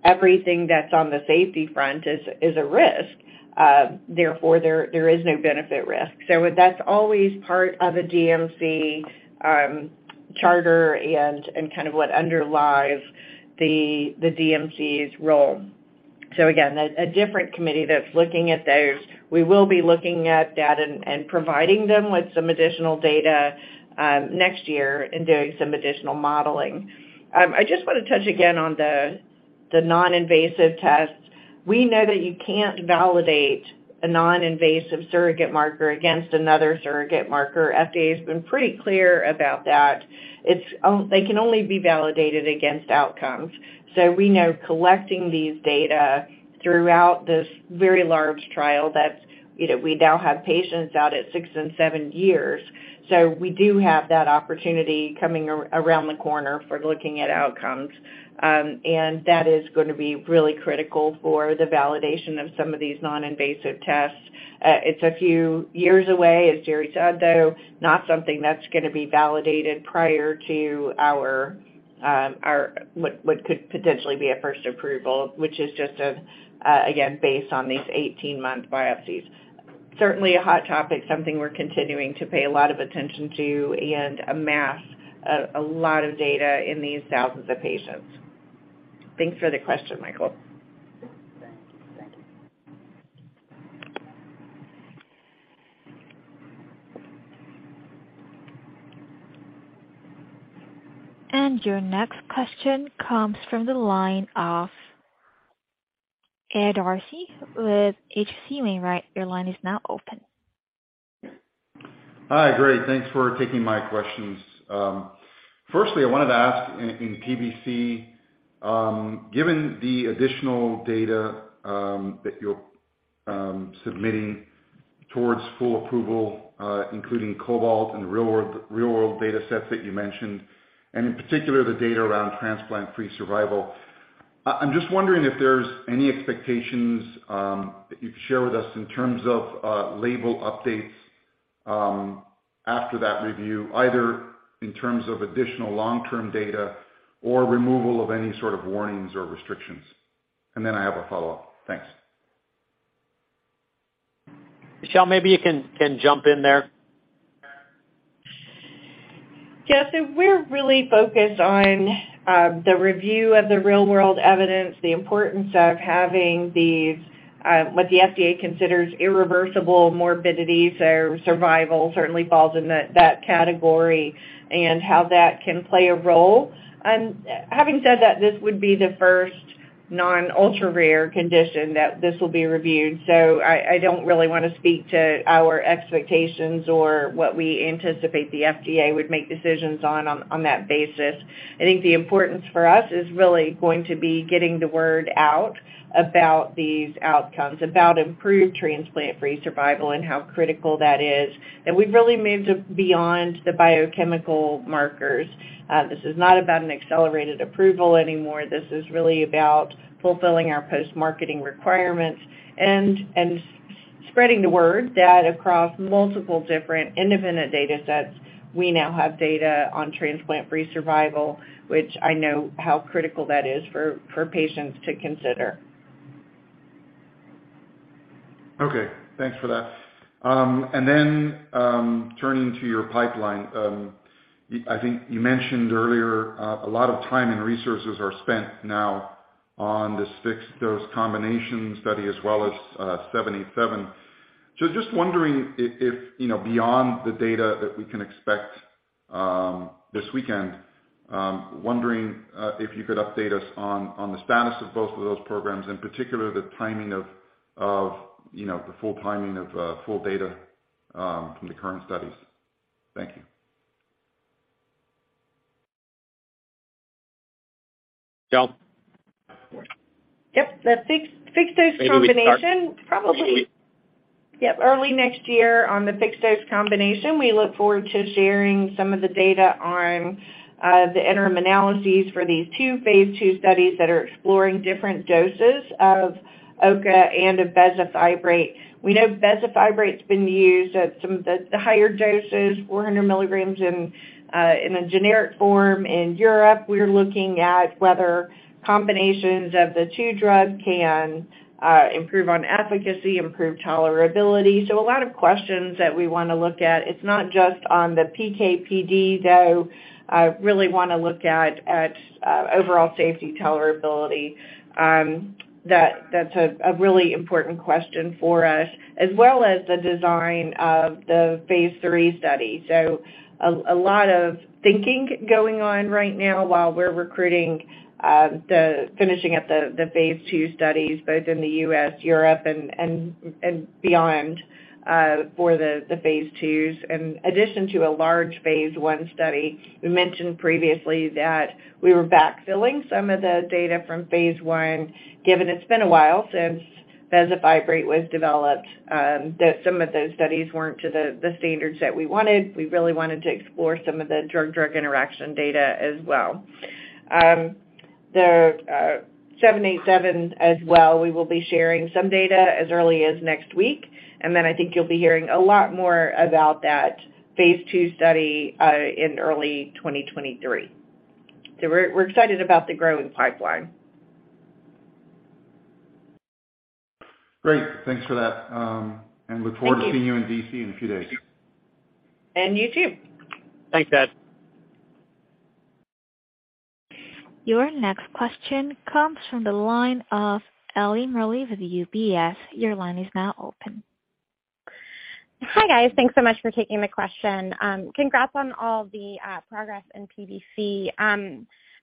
everything that's on the safety front is a risk, therefore, there is no benefit risk. That's always part of a DMC charter and kind of what underlies the DMC's role. Again, a different committee that's looking at those. We will be looking at that and providing them with some additional data next year and doing some additional modeling. I just wanna touch again on the non-invasive tests. We know that you can't validate a non-invasive surrogate marker against another surrogate marker. FDA has been pretty clear about that. They can only be validated against outcomes. We know collecting these data throughout this very large trial that's you know we now have patients out at 6 and 7 years. We do have that opportunity coming around the corner for looking at outcomes. That is gonna be really critical for the validation of some of these non-invasive tests. It's a few years away, as Jerry said, though not something that's gonna be validated prior to what could potentially be a first approval, which is just again based on these 18-month biopsies. Certainly a hot topic, something we're continuing to pay a lot of attention to and amass a lot of data in these thousands of patients. Thanks for the question, Michael. Thank you. Your next question comes from the line of Ed Arce with H.C. Wainwright. Your line is now open. Hi. Great. Thanks for taking my questions. Firstly, I wanted to ask in PBC, given the additional data that you're submitting towards full approval, including COBALT and real world data sets that you mentioned, and in particular the data around transplant-free survival, I'm just wondering if there's any expectations that you could share with us in terms of label updates after that review, either in terms of additional long-term data or removal of any sort of warnings or restrictions. I have a follow-up. Thanks. Michelle, maybe you can jump in there. Ed Arce, we're really focused on the review of the real-world evidence, the importance of having these what the FDA considers irreversible morbidities or survival certainly falls in that category and how that can play a role. Having said that, this would be the first non-ultra-rare condition that this will be reviewed. I don't really wanna speak to our expectations or what we anticipate the FDA would make decisions on that basis. I think the importance for us is really going to be getting the word out about these outcomes, about improved transplant-free survival and how critical that is, that we've really moved beyond the biochemical markers. This is not about an accelerated approval anymore. This is really about fulfilling our post-marketing requirements and spreading the word that across multiple different independent data sets, we now have data on transplant-free survival, which I know how critical that is for patients to consider. Okay. Thanks for that. Then, turning to your pipeline, I think you mentioned earlier, a lot of time and resources are spent now on this fixed-dose combination study as well as seven eight seven. Just wondering if you know, beyond the data that we can expect this weekend, if you could update us on the status of both of those programs, in particular, the timing of you know, the full timing of full data from the current studies. Thank you. Michelle? Yep. The fixed-dose combination- Maybe we start. Probably. Yep, early next year on the fixed-dose combination, we look forward to sharing some of the data on the interim analyses for these two Phase 2 studies that are exploring different doses of OCA and of bezafibrate. We know bezafibrate's been used at some of the higher doses, 400 milligrams in a generic form in Europe. We're looking at whether combinations of the two drugs can improve on efficacy, improve tolerability. A lot of questions that we wanna look at. It's not just on the PK/PD, though. Really wanna look at overall safety tolerability. That's a really important question for us, as well as the design of the Phase 3 study. A lot of thinking going on right now while we're recruiting, finishing up the Phase 2 studies, both in the US, Europe, and beyond, for the Phase 2s. In addition to a large Phase 1 study, we mentioned previously that we were backfilling some of the data from Phase 1, given it's been a while since bezafibrate was developed, that some of those studies weren't to the standards that we wanted. We really wanted to explore some of the drug-drug interaction data as well. INT-787 as well, we will be sharing some data as early as next week, and then I think you'll be hearing a lot more about that Phase 2 study in early 2023. We're excited about the growing pipeline. Great. Thanks for that. Look forward. Thank you. to seeing you in D.C. in a few days. You too. Thanks, guys. Your next question comes from the line of Eliana Merle with UBS. Your line is now open. Hi, guys. Thanks so much for taking the question. Congrats on all the progress in PBC.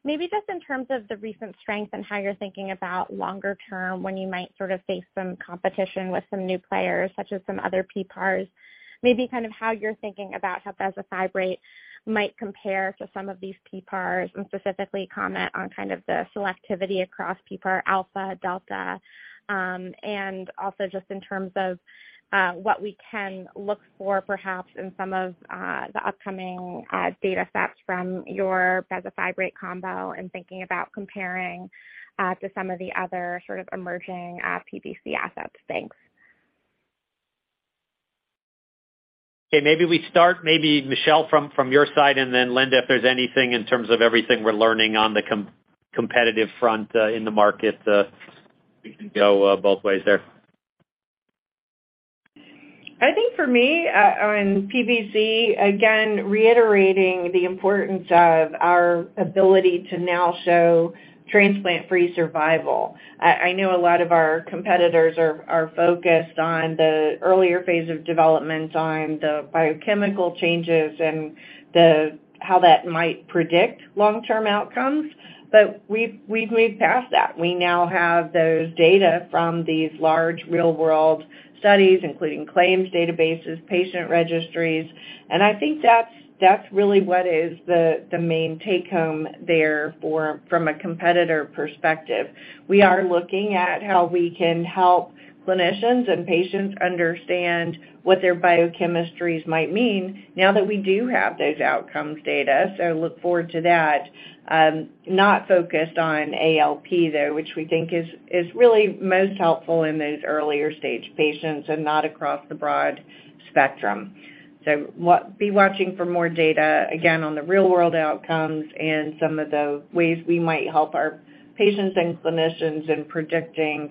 Maybe just in terms of the recent strength and how you're thinking about longer term when you might sort of face some competition with some new players, such as some other PPARs, maybe kind of how you're thinking about how bezafibrate might compare to some of these PPARs, and specifically comment on kind of the selectivity across PPAR alpha, delta. And also just in terms of what we can look for perhaps in some of the upcoming data sets from your bezafibrate combo and thinking about comparing to some of the other sort of emerging PBC assets. Thanks. Okay. Maybe we start, maybe Michelle, from your side, and then Linda, if there's anything in terms of everything we're learning on the competitive front, in the market, we can go both ways there. I think for me on PBC, again, reiterating the importance of our ability to now show transplant-free survival. I know a lot of our competitors are focused on the earlier phase of development on the biochemical changes and how that might predict long-term outcomes, but we've moved past that. We now have those data from these large real-world studies, including claims databases, patient registries, and I think that's really what is the main take-home there from a competitor perspective. We are looking at how we can help clinicians and patients understand what their biochemistries might mean now that we do have those outcomes data, so look forward to that. Not focused on ALP though, which we think is really most helpful in those earlier stage patients and not across the broad spectrum. We'll be watching for more data, again, on the real-world outcomes and some of the ways we might help our patients and clinicians in predicting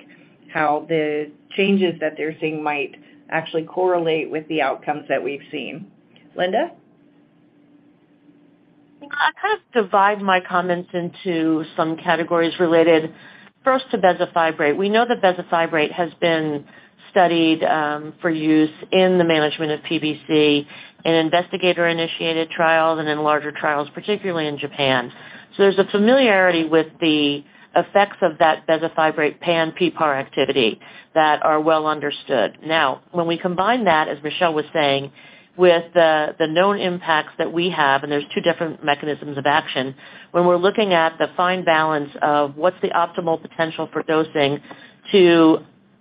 how the changes that they're seeing might actually correlate with the outcomes that we've seen. Linda? I'll kind of divide my comments into some categories related first to bezafibrate. We know that bezafibrate has been studied for use in the management of PBC in investigator-initiated trials and in larger trials, particularly in Japan. There's a familiarity with the effects of that bezafibrate pan PPAR activity that are well understood. Now, when we combine that, as Michelle was saying, with the known impacts that we have, and there's two different mechanisms of action, when we're looking at the fine balance of what's the optimal potential for dosing to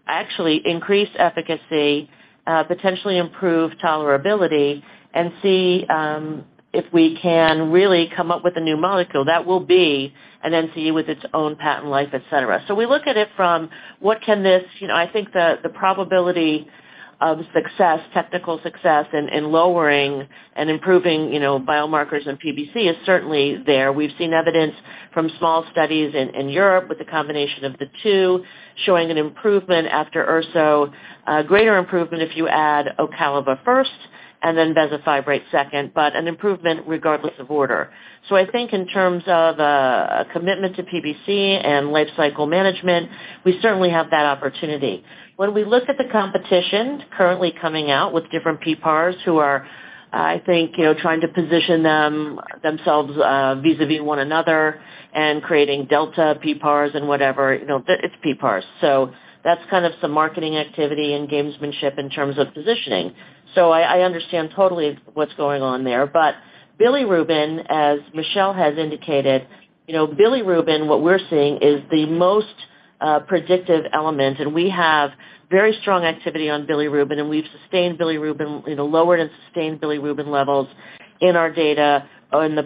actually increase efficacy, potentially improve tolerability and see if we can really come up with a new molecule, that will be an NCE with its own patent life, et cetera. We look at it from what can this You know, I think the probability of success, technical success in lowering and improving, you know, biomarkers in PBC is certainly there. We've seen evidence from small studies in Europe with the combination of the two showing an improvement after Urso. A greater improvement if you add Ocaliva first and then bezafibrate second, but an improvement regardless of order. I think in terms of commitment to PBC and life cycle management, we certainly have that opportunity. When we look at the competition currently coming out with different PPARs who are, I think, you know, trying to position themselves vis-a-vis one another and creating delta PPARs and whatever, you know, it's PPARs. That's kind of some marketing activity and gamesmanship in terms of positioning. I understand totally what's going on there. Bilirubin, as Michelle has indicated, what we're seeing is the most predictive element, and we have very strong activity on bilirubin, and we've lowered and sustained bilirubin levels in our data. In the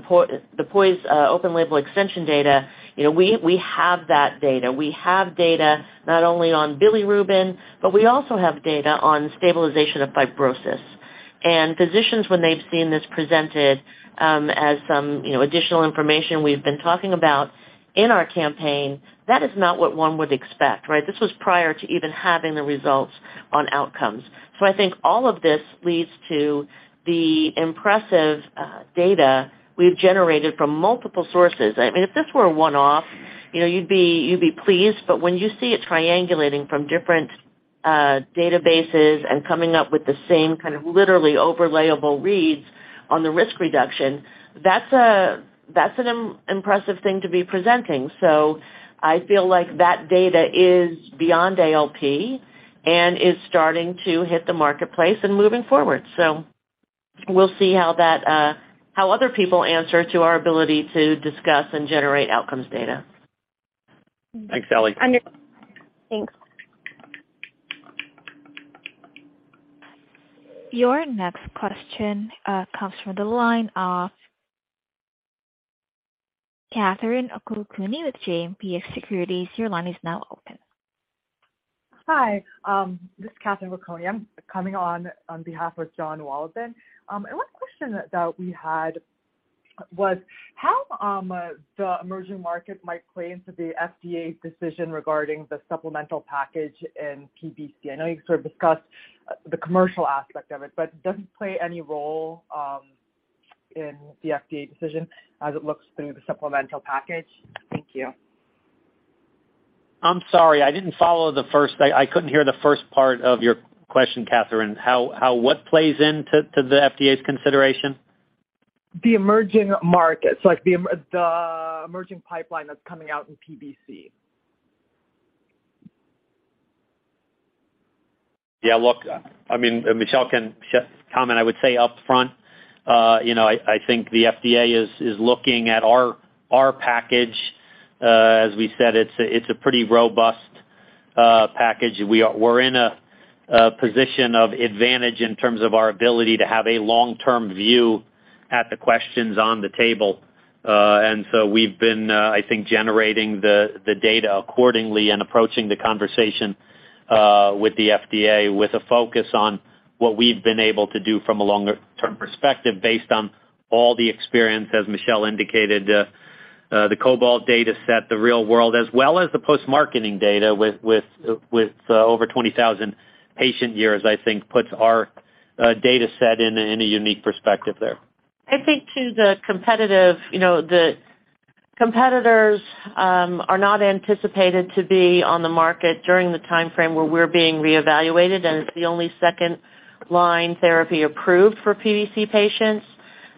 POISE open label extension data, we have that data. We have data not only on bilirubin, but we also have data on stabilization of fibrosis. Physicians when they've seen this presented as some additional information we've been talking about in our campaign, that is not what one would expect, right? This was prior to even having the results on outcomes. I think all of this leads to the impressive data we've generated from multiple sources. I mean, if this were a one-off, you know, you'd be pleased, but when you see it triangulating from different databases and coming up with the same kind of literally overlay-able reads on the risk reduction, that's an impressive thing to be presenting. I feel like that data is beyond ALP and is starting to hit the marketplace and moving forward. We'll see how that, how other people answer to our ability to discuss and generate outcomes data. Thanks, Eliana Merle. Thanks. Your next question comes from the line of Catherine Okoukoni with JMP Securities. Your line is now open. Hi, this is Catherine Okoukoni. I'm coming on behalf of Jonathan Wolleben. One question that we had was how the emerging market might play into the FDA's decision regarding the supplemental package in PBC. I know you sort of discussed the commercial aspect of it, but does it play any role in the FDA decision as it looks through the supplemental package? Thank you. I'm sorry. I didn't follow. I couldn't hear the first part of your question, Catherine. How what plays into the FDA's consideration? The emerging pipeline that's coming out in PBC. Yeah, look, I mean, Michelle can comment. I would say upfront, you know, I think the FDA is looking at our package. As we said, it's a pretty robust package. We're in a position of advantage in terms of our ability to have a long-term view at the questions on the table. We've been, I think, generating the data accordingly and approaching the conversation with the FDA with a focus on what we've been able to do from a longer-term perspective based on all the experience, as Michelle indicated, the COBALT dataset, the real-world, as well as the post-marketing data with over 20,000 patient years. I think that puts our dataset in a unique perspective there. You know, the competitors are not anticipated to be on the market during the timeframe where we're being reevaluated, and it's the only second-line therapy approved for PBC patients.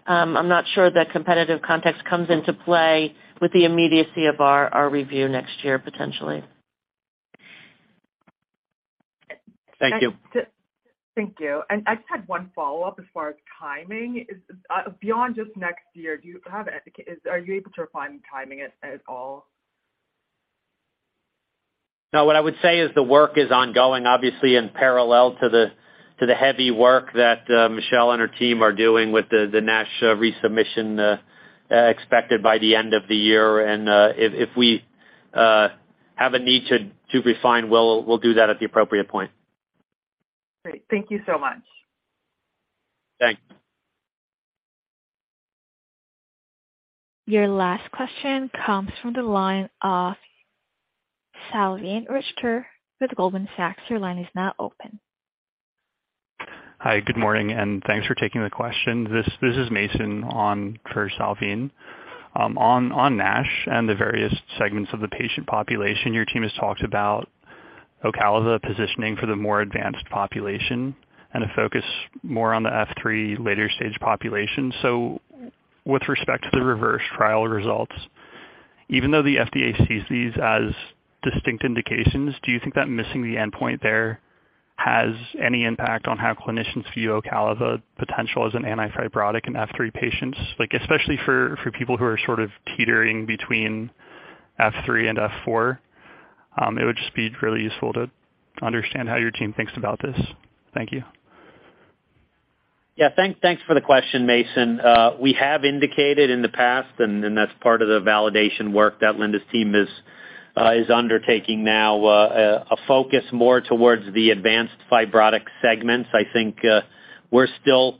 I'm not sure the competitive context comes into play with the immediacy of our review next year, potentially. Thank you. Thank you. I just had one follow-up as far as timing. Beyond just next year, are you able to refine the timing at all? No, what I would say is the work is ongoing, obviously in parallel to the heavy work that Michelle and her team are doing with the NASH resubmission, expected by the end of the year. If we have a need to refine, we'll do that at the appropriate point. Great. Thank you so much. Thanks. Your last question comes from the line of Salveen Richter with Goldman Sachs. Your line is now open. Hi, good morning, and thanks for taking the question. This is Mason on for Salveen. On NASH and the various segments of the patient population, your team has talked about Ocaliva positioning for the more advanced population and a focus more on the F3 later stage population. With respect to the REVERSE results, even though the FDA sees these as distinct indications, do you think that missing the endpoint there has any impact on how clinicians view Ocaliva potential as an antifibrotic in F3 patients? Like especially for people who are sort of teetering between F3 and F4. It would just be really useful to understand how your team thinks about this. Thank you. Yeah. Thanks for the question, Mason. We have indicated in the past, and that's part of the validation work that Linda's team is undertaking now, a focus more towards the advanced fibrotic segments. I think, we're still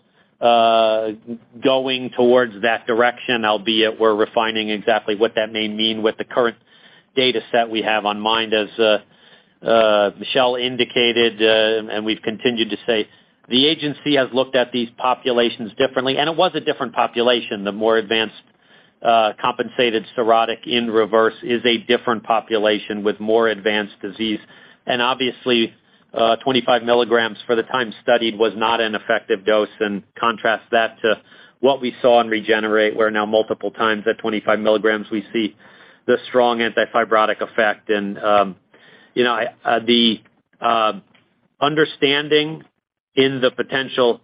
going towards that direction, albeit we're refining exactly what that may mean with the current data set we have in mind. As Michelle indicated, and we've continued to say, the agency has looked at these populations differently, and it was a different population. The more advanced compensated cirrhotic in REVERSE is a different population with more advanced disease. Obviously, 25 milligrams for the time studied was not an effective dose, and contrast that to what we saw in REGENERATE, where now multiple times at 25 milligrams we see the strong antifibrotic effect. You know, the understanding in the potential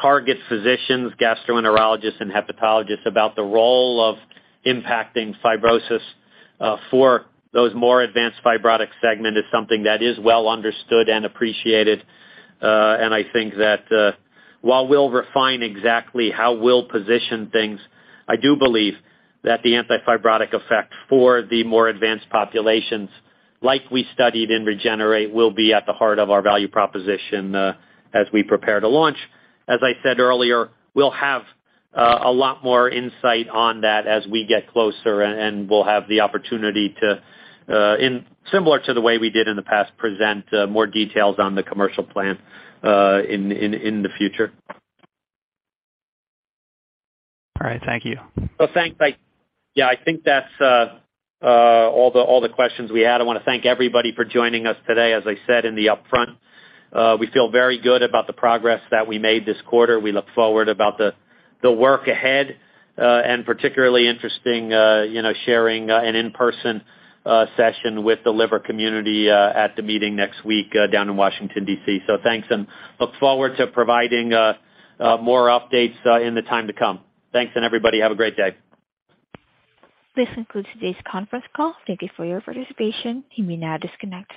target physicians, gastroenterologists, and hepatologists about the role of impacting fibrosis for those more advanced fibrotic segment is something that is well understood and appreciated. I think that while we'll refine exactly how we'll position things, I do believe that the antifibrotic effect for the more advanced populations like we studied in REGENERATE will be at the heart of our value proposition as we prepare to launch. As I said earlier, we'll have a lot more insight on that as we get closer, and we'll have the opportunity to in similar to the way we did in the past present more details on the commercial plan in the future. All right. Thank you. Thanks. Yeah, I think that's all the questions we had. I wanna thank everybody for joining us today. As I said in the upfront, we feel very good about the progress that we made this quarter. We look forward about the work ahead, and particularly interesting, you know, sharing an in-person session with the liver community at the meeting next week down in Washington, D.C. Thanks, and look forward to providing more updates in the time to come. Thanks, and everybody, have a great day. This concludes today's conference call. Thank you for your participation. You may now disconnect.